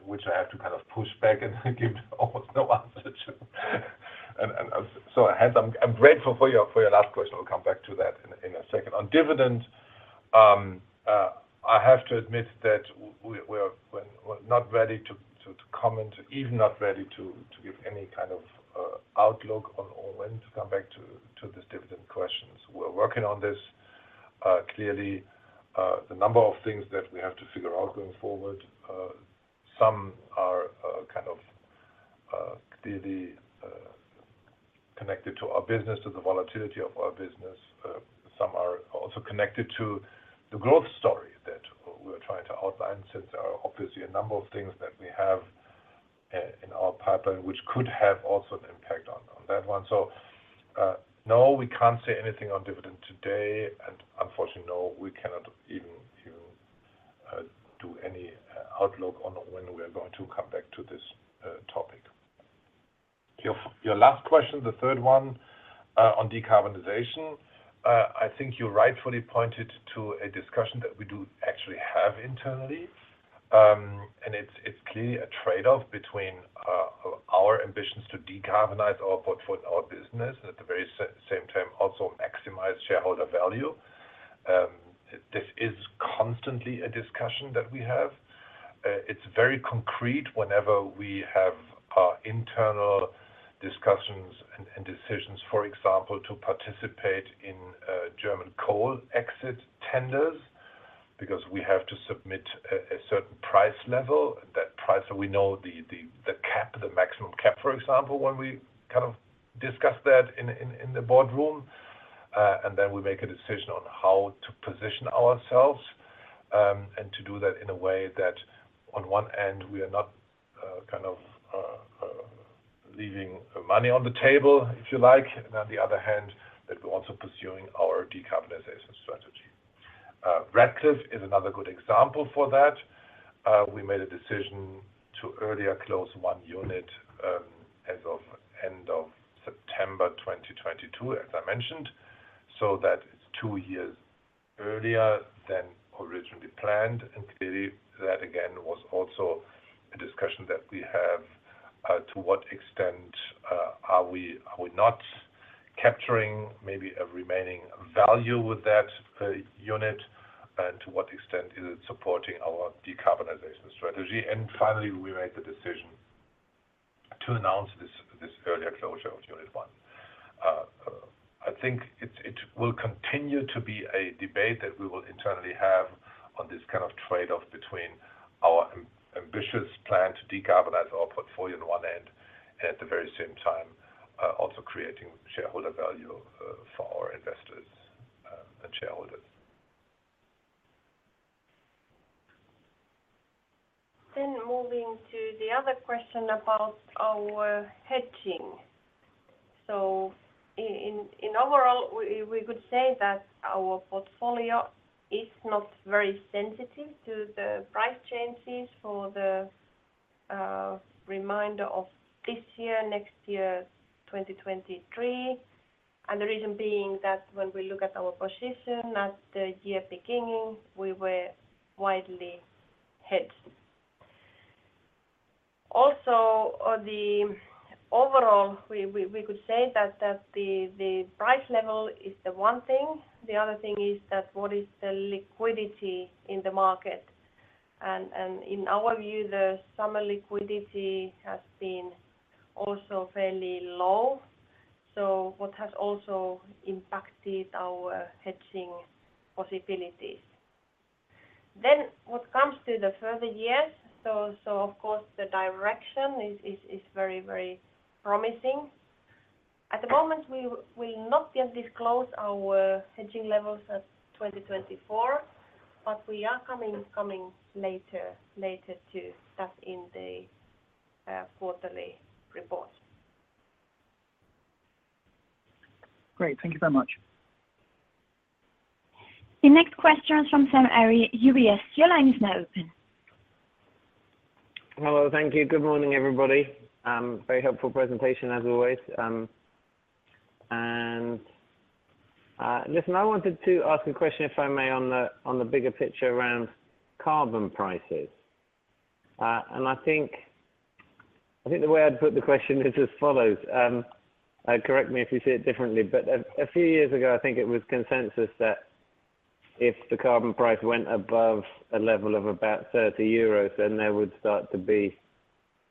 which I have to kind of push back and give almost no answer to. I'm grateful for your last question. We'll come back to that in a second. On dividends, I have to admit that we're not ready to comment, even not ready to give any kind of outlook on when to come back to this dividend question. We're working on this. Clearly, the number of things that we have to figure out going forward, some are clearly connected to our business, to the volatility of our business. Some are also connected to the growth story that we're trying to outline, since there are obviously a number of things that we have in our pipeline, which could have also an impact on that one. No, we can't say anything on dividend today, and unfortunately, no, we cannot even do any outlook on when we are going to come back to this topic. Your last question, the third one on decarbonization. I think you rightfully pointed to a discussion that we do actually have internally. It's clearly a trade-off between our ambitions to decarbonize our footprint, our business, and at the very same time, also maximize shareholder value. This is constantly a discussion that we have. It's very concrete whenever we have our internal discussions and decisions. For example, to participate in German coal exit tenders, because we have to submit a certain price level. That price that we know the maximum cap, for example, when we kind of discuss that in the boardroom. We make a decision on how to position ourselves, and to do that in a way that on one end, we are not kind of leaving money on the table, if you like, and on the other hand, that we're also pursuing our decarbonization strategy. Ratcliffe is another good example for that. We made a decision to earlier close one unit as of end of September 2022, as I mentioned, so that it's two years earlier than originally planned. Clearly, that again, was also a discussion that we have, to what extent are we not capturing maybe a remaining value with that unit? To what extent is it supporting our decarbonization strategy? Finally, we made the decision to announce this earlier closure of unit one. I think it will continue to be a debate that we will internally have on this kind of trade-off between our ambitious plan to decarbonize our portfolio on one end, and at the very same time, also creating shareholder value for our investors and shareholders. Moving to the other question about our hedging. In overall, we could say that our portfolio is not very sensitive to the price changes for the remainder of this year, next year, 2023. The reason being that when we look at our position at the year beginning, we were widely hedged. On the overall, we could say that the price level is the one thing. The other thing is that what is the liquidity in the market? In our view, the summer liquidity has been also fairly low, what has also impacted our hedging possibilities. What comes to the further years, so of course, the direction is very promising. At the moment, we will not yet disclose our hedging levels as 2024, but we are coming later to that in the quarterly report. Great. Thank you very much. The next question is from Sam Arie, UBS. Your line is now open. Hello. Thank you. Good morning, everybody. Very helpful presentation as always. Listen, I wanted to ask a question, if I may, on the bigger picture around carbon prices. I think the way I'd put the question is as follows. Correct me if you see it differently, but a few years ago, I think it was consensus that if the carbon price went above a level of about 30 euros, then there would start to be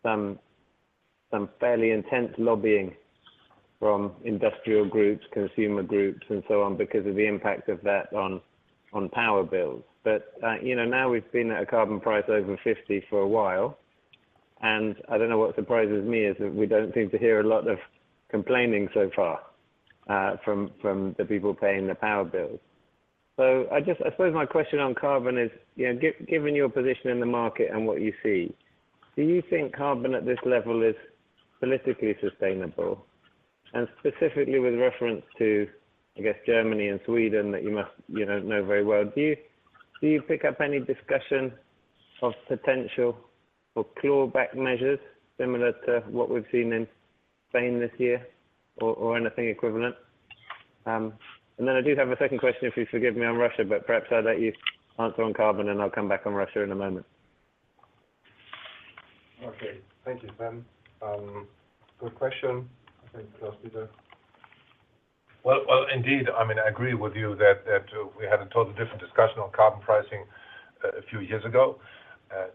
some fairly intense lobbying from industrial groups, consumer groups, and so on because of the impact of that on power bills. Now we've been at a carbon price over 50 for a while, and what surprises me is that we don't seem to hear a lot of complaining so far from the people paying the power bills. I suppose my question on carbon is, given your position in the market and what you see, do you think carbon at this level is politically sustainable? Specifically with reference to, I guess, Germany and Sweden that you must know very well, do you pick up any discussion of potential or clawback measures similar to what we've seen in Spain this year or anything equivalent? I do have a second question, if you forgive me, on Russia, but perhaps I'll let you answer on carbon, and I'll come back on Russia in a moment. Okay. Thank you, Sam. Good question. I think Klaus, you go. Well, indeed, I agree with you that we had a totally different discussion on carbon pricing a few years ago.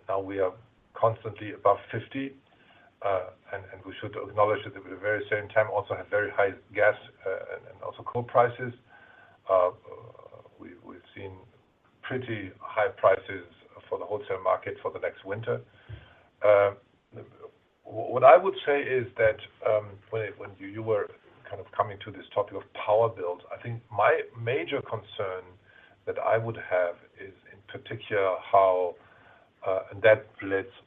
Now we are constantly above 50, and we should acknowledge that at the very same time also have very high gas and also coal prices. We've seen pretty high prices for the wholesale market for the next winter. What I would say is that, when you were coming to this topic of power build, I think my major concern that I would have is in particular how that leads to,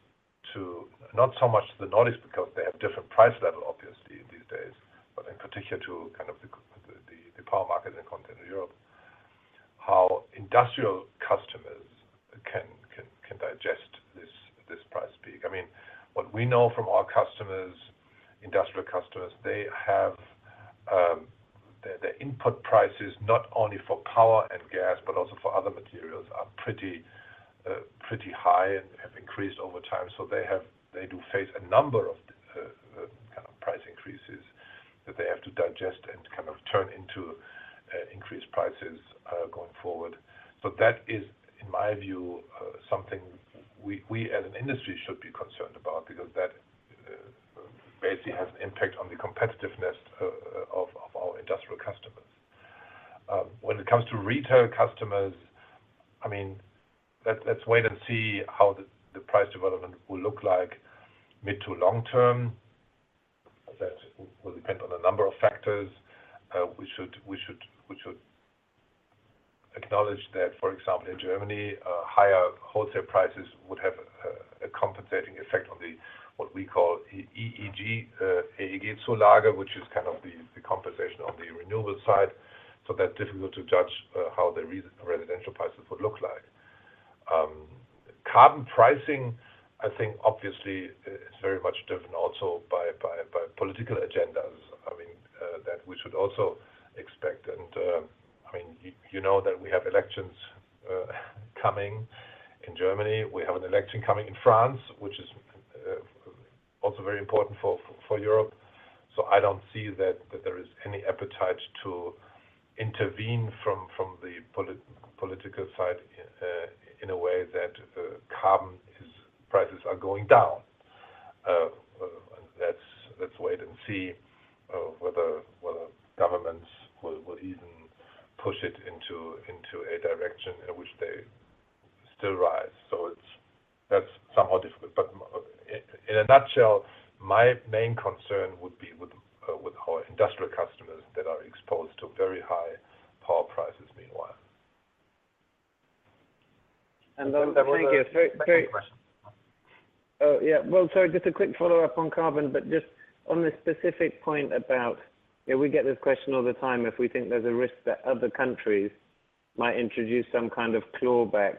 not so much the Nordics, because they have different price level obviously these days, but in particular to the power market in Continental Europe, how industrial customers can digest this price peak. What we know from our industrial customers, their input prices, not only for power and gas, but also for other materials, are pretty high and have increased over time. They do face a number of price increases that they have to digest and turn into increased prices going forward. That is, in my view, something we as an industry should be concerned about, because that basically has an impact on the competitiveness of our industrial customers. When it comes to retail customers, let's wait and see how the price development will look like mid to long term. That will depend on a number of factors. We should acknowledge that, for example, in Germany, higher wholesale prices would have a compensating effect on the, what we call EEG, which is the compensation on the renewable side. That's difficult to judge how the residential prices would look like. Carbon pricing, I think, obviously, is very much driven also by political agendas that we should also expect. You know that we have elections coming in Germany. We have an election coming in France, which is also very important for Europe. I don't see that there is any appetite to intervene from the political side in a way that carbon prices are going down. Let's wait and see whether governments will even push it into a direction in which they still rise. That's somewhat difficult. In a nutshell, my main concern would be with our industrial customers that are exposed to very high-power prices meanwhile. Thank you. There was a second question. Oh, yeah. Well, sorry, just a quick follow-up on carbon, but just on this specific point about, we get this question all the time, if we think there's a risk that other countries might introduce some kind of clawback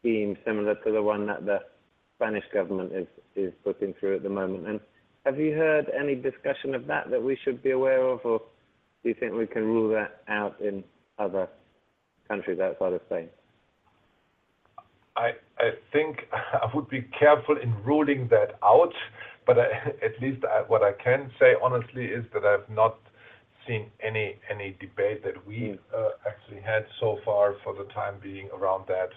scheme similar to the one that the Spanish government is putting through at the moment. Have you heard any discussion of that we should be aware of? Do you think we can rule that out in other countries outside of Spain? I think I would be careful in ruling that out, but at least what I can say honestly is that I've not seen any debate that we actually had so far for the time being around that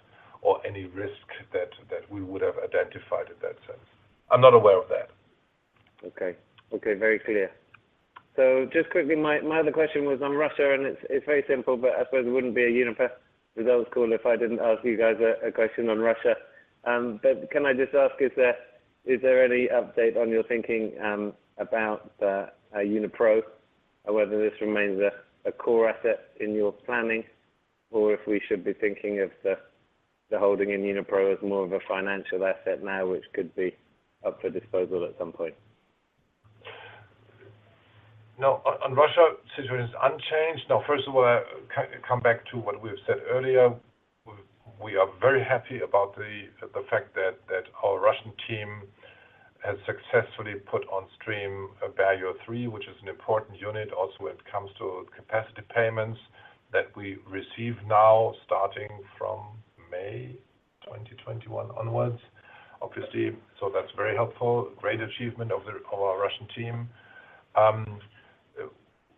or any risk that we would have identified in that sense. I'm not aware of that. Okay. Very clear. Just quickly, my other question was on Russia, and it's very simple, but I suppose it wouldn't be a Uniper results call if I didn't ask you guys a question on Russia. Can I just ask, is there any update on your thinking about Unipro, whether this remains a core asset in your planning, or if we should be thinking of the holding in Unipro as more of a financial asset now, which could be up for disposal at some point? No. On Russia, situation is unchanged. Now, first of all, come back to what we've said earlier. We are very happy about the fact that our Russian team has successfully put on stream Berezovskaya 3, which is an important unit also when it comes to capacity payments that we receive now, starting from May 2021 onwards, obviously. That's very helpful. Great achievement of our Russian team.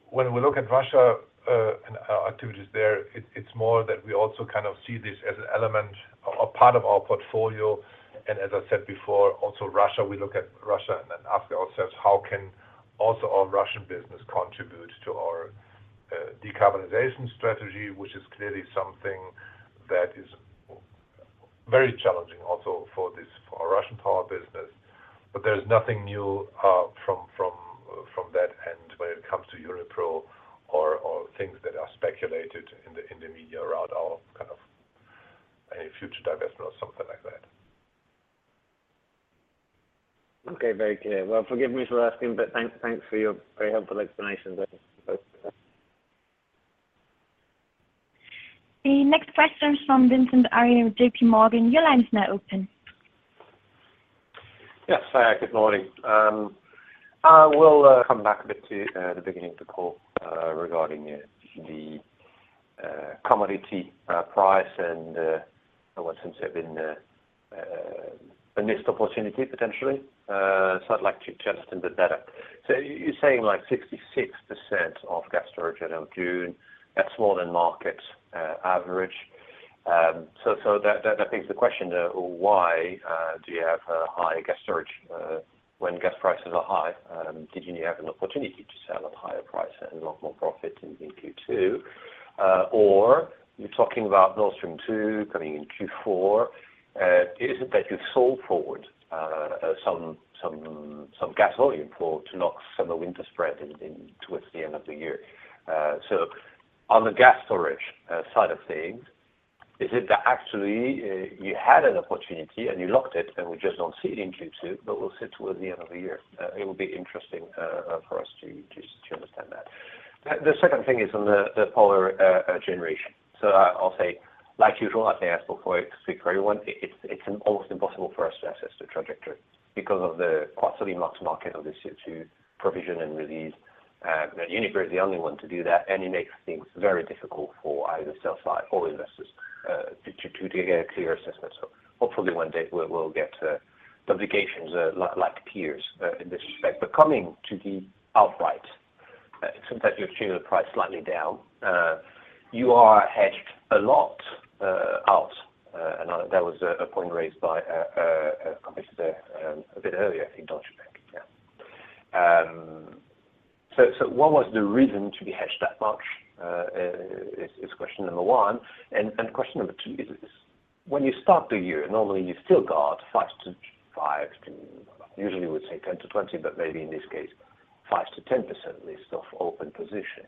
When we look at Russia and our activities there, it's more that we also see this as an element, a part of our portfolio. As I said before, also Russia, we look at Russia and then ask ourselves, how can also our Russian business contribute to our decarbonization strategy, which is clearly something that is very challenging also for our Russian power business. There's nothing new from that end when it comes to Unipro or things that are speculated in the media around our future divestment or something like that. Okay. Very clear. Well, forgive me for asking, but thanks for your very helpful explanations. The next question is from Vincent Ayral with JPMorgan. Your line is now open. Yes. Good morning. We'll come back a bit to the beginning of the call regarding the commodity price and what seems to have been a missed opportunity potentially. I'd like to adjust a bit better. You're saying like 66% of gas storage at end of June, that's more than market average. That begs the question, why do you have high gas storage when gas prices are high? Didn't you have an opportunity to sell at higher price and a lot more profit in Q2? You're talking about Nord Stream 2 coming in Q4. Is it that you've sold forward some gas volume for to lock summer winter spread in towards the end of the year? On the gas storage side of things, is it that actually you had an opportunity, and you locked it and we just don't see it in Q2, but we'll see towards the end of the year? It will be interesting for us to understand that. The second thing is on the power generation. I'll say, like usual, I say I spoke for it to speak for everyone. It's an almost impossible for us to assess the trajectory because of the volatility mark-to-market obviously to provision and release. Uniper is the only one to do that, and it makes things very difficult for either sell side or investors to get a clear assessment. Hopefully one day we'll get publications like peers in this respect. Coming to the outright, it seems that you've tuned the price slightly down. You are hedged a lot out, and that was a point raised by a competitor a bit earlier, I think Deutsche Bank. Yeah. What was the reason to be hedged that much? Is question number one, and question number two is, when you start the year, normally you still got 5% to usually we'd say 10%-20%, but maybe in this case, 5%-10% at least of open position.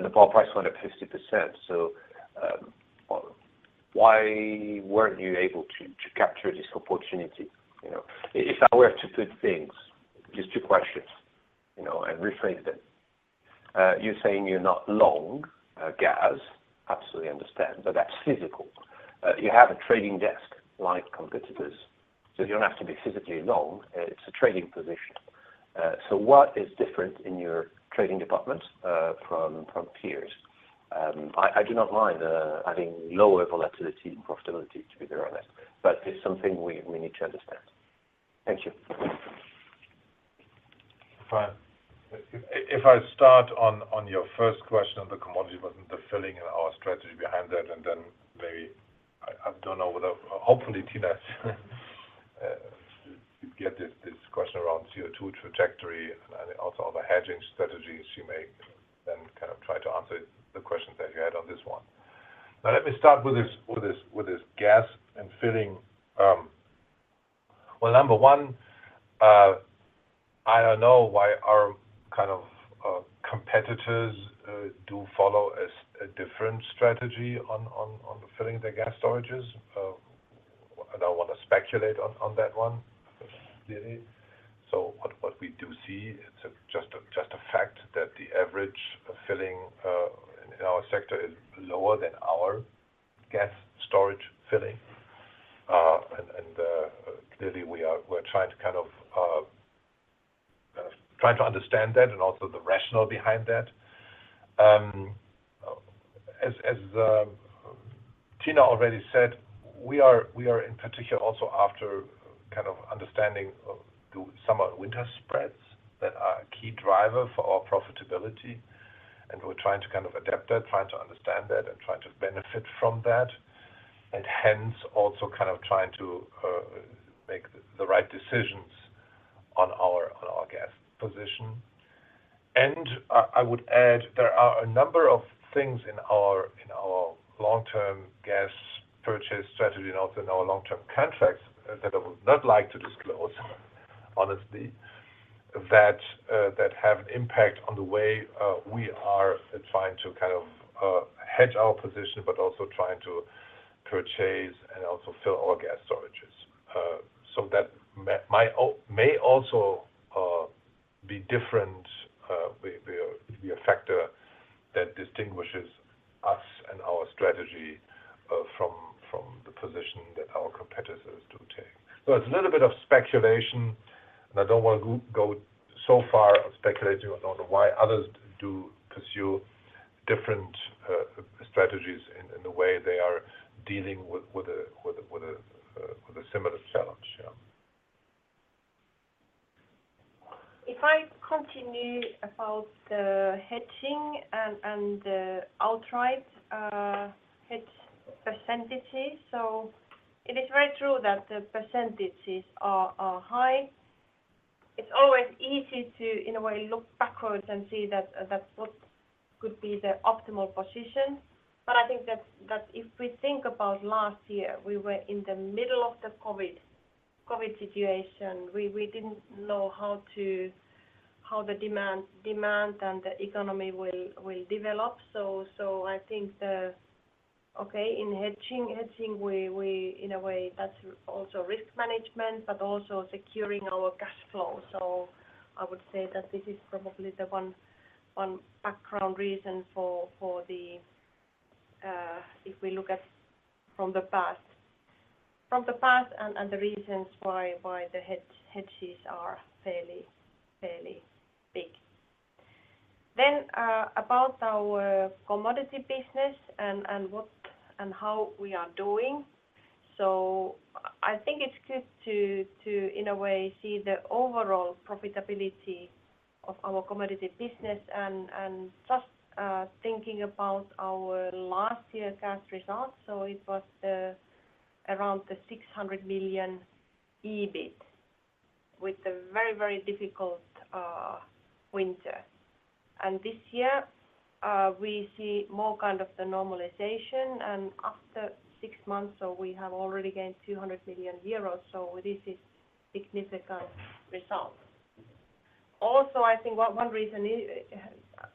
The power price went up 50%, why weren't you able to capture this opportunity? If I were to put things, just two questions, and rephrase them. You're saying you're not long gas. Absolutely understand, that's physical. You have a trading desk like competitors, you don't have to be physically long. It's a trading position. What is different in your trading department from peers? I do not mind having lower volatility and profitability, to be very honest, but it's something we need to understand. Thank you. Fine. If I start on your first question on the commodity, wasn't the filling and our strategy behind that, and then maybe, I don't know whether, hopefully Tiina get this question around CO2 trajectory and also other hedging strategies you make, then kind of try to answer the questions that you had on this one. Let me start with this gas and filling. Number one, I don't know why our kind of competitors do follow a different strategy on filling their gas storages. I don't want to speculate on that one really. What we do see, it's just a fact that the average filling in our sector is lower than our gas storage filling. Clearly, we're trying to understand that and also the rationale behind that. As Tiina already said, we are in particular also after kind of understanding the summer winter spreads that are a key driver for our profitability, and we're trying to kind of adapt that, trying to understand that, and trying to benefit from that, and hence also kind of trying to make the right decisions on our gas position. I would add, there are a number of things in our long-term gas purchase strategy and also in our long-term contracts that I would not like to disclose honestly, that have an impact on the way we are trying to kind of hedge our position, but also trying to purchase and also fill our gas storages. That may also be different, be a factor that distinguishes us and our strategy from the position that our competitors do take. It's a little bit of speculation, and I don't want to go so far speculating on why others do pursue different strategies in the way they are dealing with a similar challenge. Yeah. If I continue about the hedging and outright hedge percentages, it is very true that the percentages are high. It's always easy to, in a way, look backwards and see that that's what could be the optimal position. I think that if we think about last year, we were in the middle of the COVID situation. We didn't know how the demand and the economy will develop. I think in hedging, we in a way that's also risk management, but also securing our cash flow. I would say that this is probably the one background reason. If we look at from the past and the reasons why the hedges are fairly big. About our commodity business and how we are doing. I think it's good to, in a way, see the overall profitability of our commodity business and just thinking about our last year cash results. It was around the 600 million EBIT with a very difficult winter. This year, we see more kind of the normalization and after six months, we have already gained 200 million euros. This is significant results. I think one reason,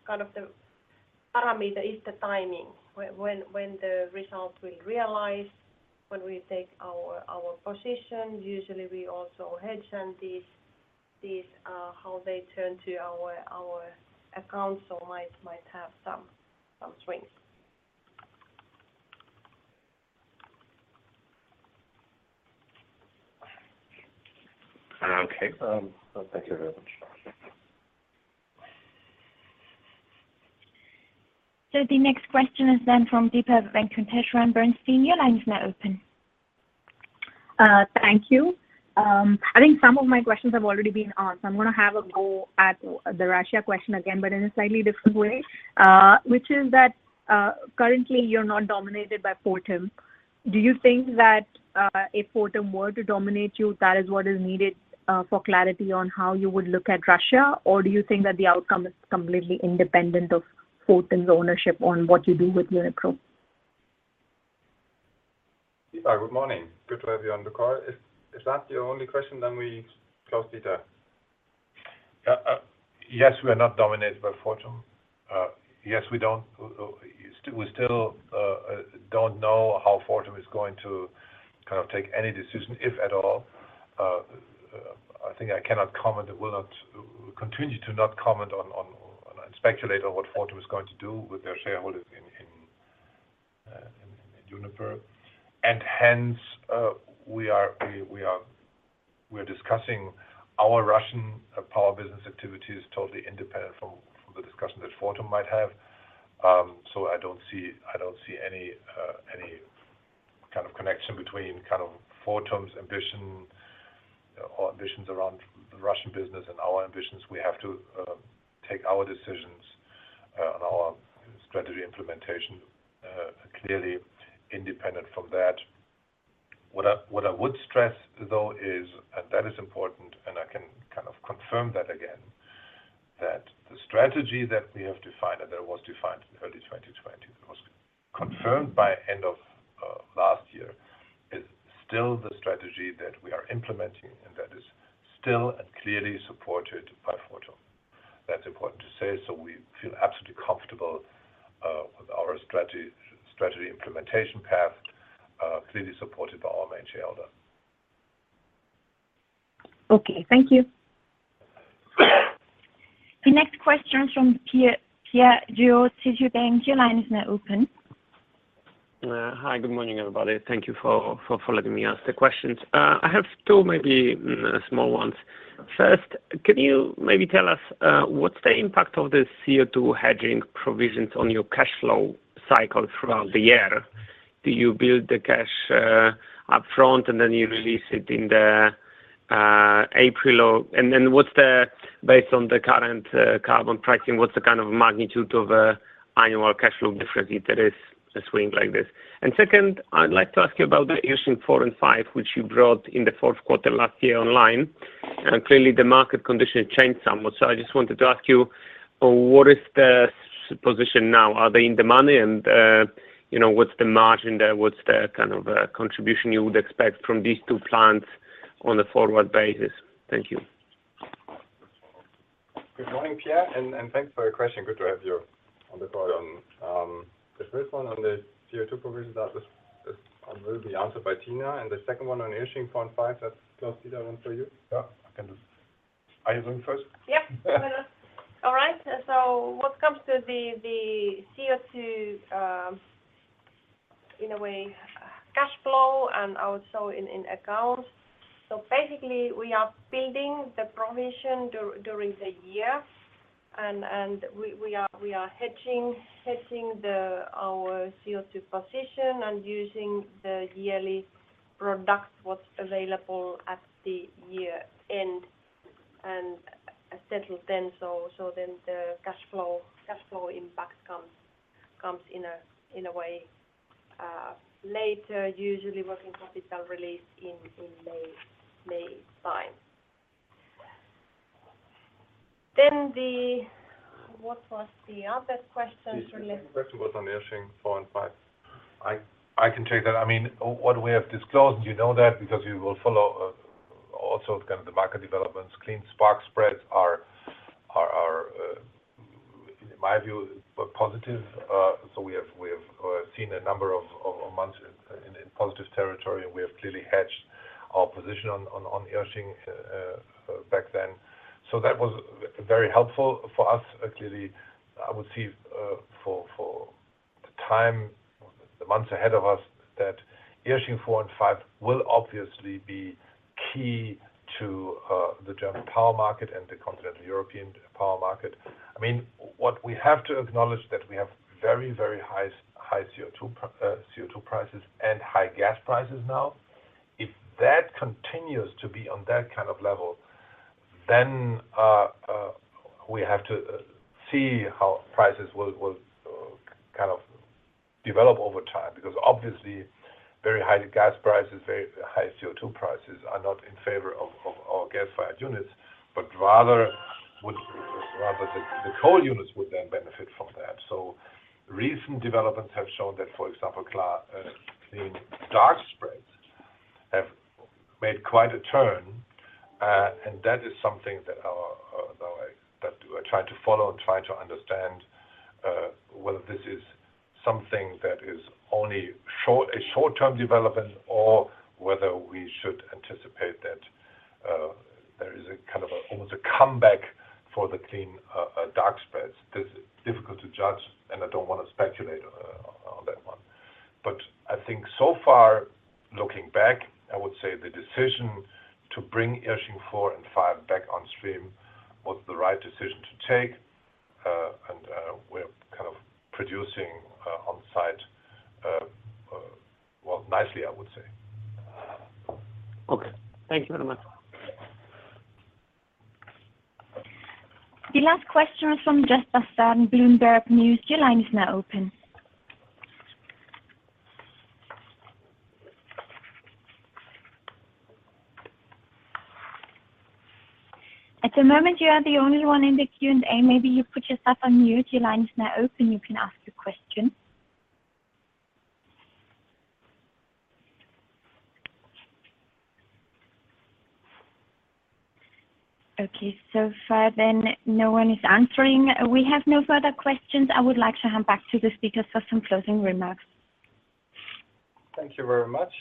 kind of the parameter, is the timing, when the results will realize, when we take our position. Usually, we also hedge and how they turn to our accounts might have some swings. Okay. Thank you very much. The next question is from Deepa Venkateswaran at Bernstein. Your line is now open. Thank you. I think some of my questions have already been asked, so I'm going to have a go at the Russia question again, but in a slightly different way, which is that currently you're not dominated by Fortum. Do you think that if Fortum were to dominate you, that is what is needed for clarity on how you would look at Russia? Do you think that the outcome is completely independent of Fortum's ownership on what you do with Uniper? Deepa, good morning. Good to have you on the call. If that's your only question, we close, Dieter. Yes, we are not dominated by Fortum. Yes, we still don't know how Fortum is going to take any decision, if at all. I think I cannot comment and will continue to not comment on and speculate on what Fortum is going to do with their shareholding in Uniper. Hence, we are discussing our Russian power business activities totally independent from the discussion that Fortum might have. I don't see any kind of connection between Fortum's ambition or ambitions around the Russian business and our ambitions. We have to take our decisions and our strategy implementation clearly independent from that. What I would stress, though, is, and that is important, and I can kind of confirm that again, that the strategy that we have defined, and that was defined in early 2020, it was confirmed by end of last year, is still the strategy that we are implementing, and that is still and clearly supported by Fortum. That's important to say. We feel absolutely comfortable with our strategy implementation path, clearly supported by our main shareholder. Okay. Thank you. The next question from Piotr Dzieciolowski. Your line is now open. Hi. Good morning, everybody. Thank you for letting me ask the questions. I have two maybe small ones. First, can you maybe tell us what's the impact of the CO2 hedging provisions on your cash flow cycle throughout the year? Do you build the cash up front and then you release it in the April? Based on the current carbon pricing, what's the kind of magnitude of annual cash flow difference if there is a swing like this? Second, I'd like to ask you about the Irsching 4 and 5, which you brought in the fourth quarter last year online. Clearly the market condition changed somewhat. I just wanted to ask you, what is the position now? Are they in the money and what's the margin there? What's the kind of contribution you would expect from these two plants on a forward basis? Thank you. Good morning, Piotr, and thanks for your question. Good to have you on the call. The first one on the CO2 provision, that will be answered by Tiina, and the second one on Irsching 4 and 5, that's closer to home for you. Yeah, I can do. Are you going first? Yeah. All right. What comes to the CO2, in a way, cash flow and also in accounts. Basically, we are building the provision during the year, and we are hedging our CO2 position and using the yearly product what's available at the year-end and settle then. The cash flow impact comes in a way later, usually working capital release in May time. What was the other question? The second question was on Irsching 4 and 5. I can take that. What we have disclosed, and you know that because you will follow also kind of the market developments, clean spark spreads are, in my view, positive. We have seen a number of months in positive territory, and we have clearly hedged Our position on Irsching back then. That was very helpful for us. Clearly, I would see for the time, the months ahead of us, that Irsching 4 and 5 will obviously be key to the German power market and the continental European power market. What we have to acknowledge that we have very, very high CO2 prices and high gas prices now. If that continues to be on that kind of level, then we have to see how prices will develop over time, because obviously very high gas prices, very high CO2 prices are not in favor of our gas-fired units, but rather the coal units would then benefit from that. Recent developments have shown that, for example, clean dark spreads have made quite a turn, and that is something that we are trying to follow and trying to understand whether this is something that is only a short-term development, or whether we should anticipate that there is almost a comeback for the clean dark spreads. This is difficult to judge, and I don't want to speculate on that one. I think so far, looking back, I would say the decision to bring Irsching 4 and 5 back on stream was the right decision to take, and we're producing on site, well, nicely, I would say. Okay. Thank you very much. The last question is from Jessica Menton, Bloomberg News. Your line is now open. At the moment, you are the only one in the Q&A. Maybe you put yourself on mute. Your line is now open. You can ask your question. Okay. So far, then, no one is answering. We have no further questions. I would like to hand back to the speakers for some closing remarks. Thank you very much.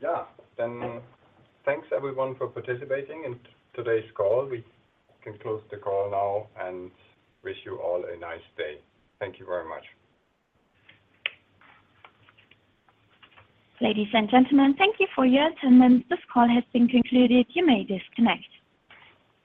Yeah. Thanks, everyone, for participating in today's call. We can close the call now and wish you all a nice day. Thank you very much. Ladies and gentlemen, thank you for your attendance. This call has been concluded. You may disconnect.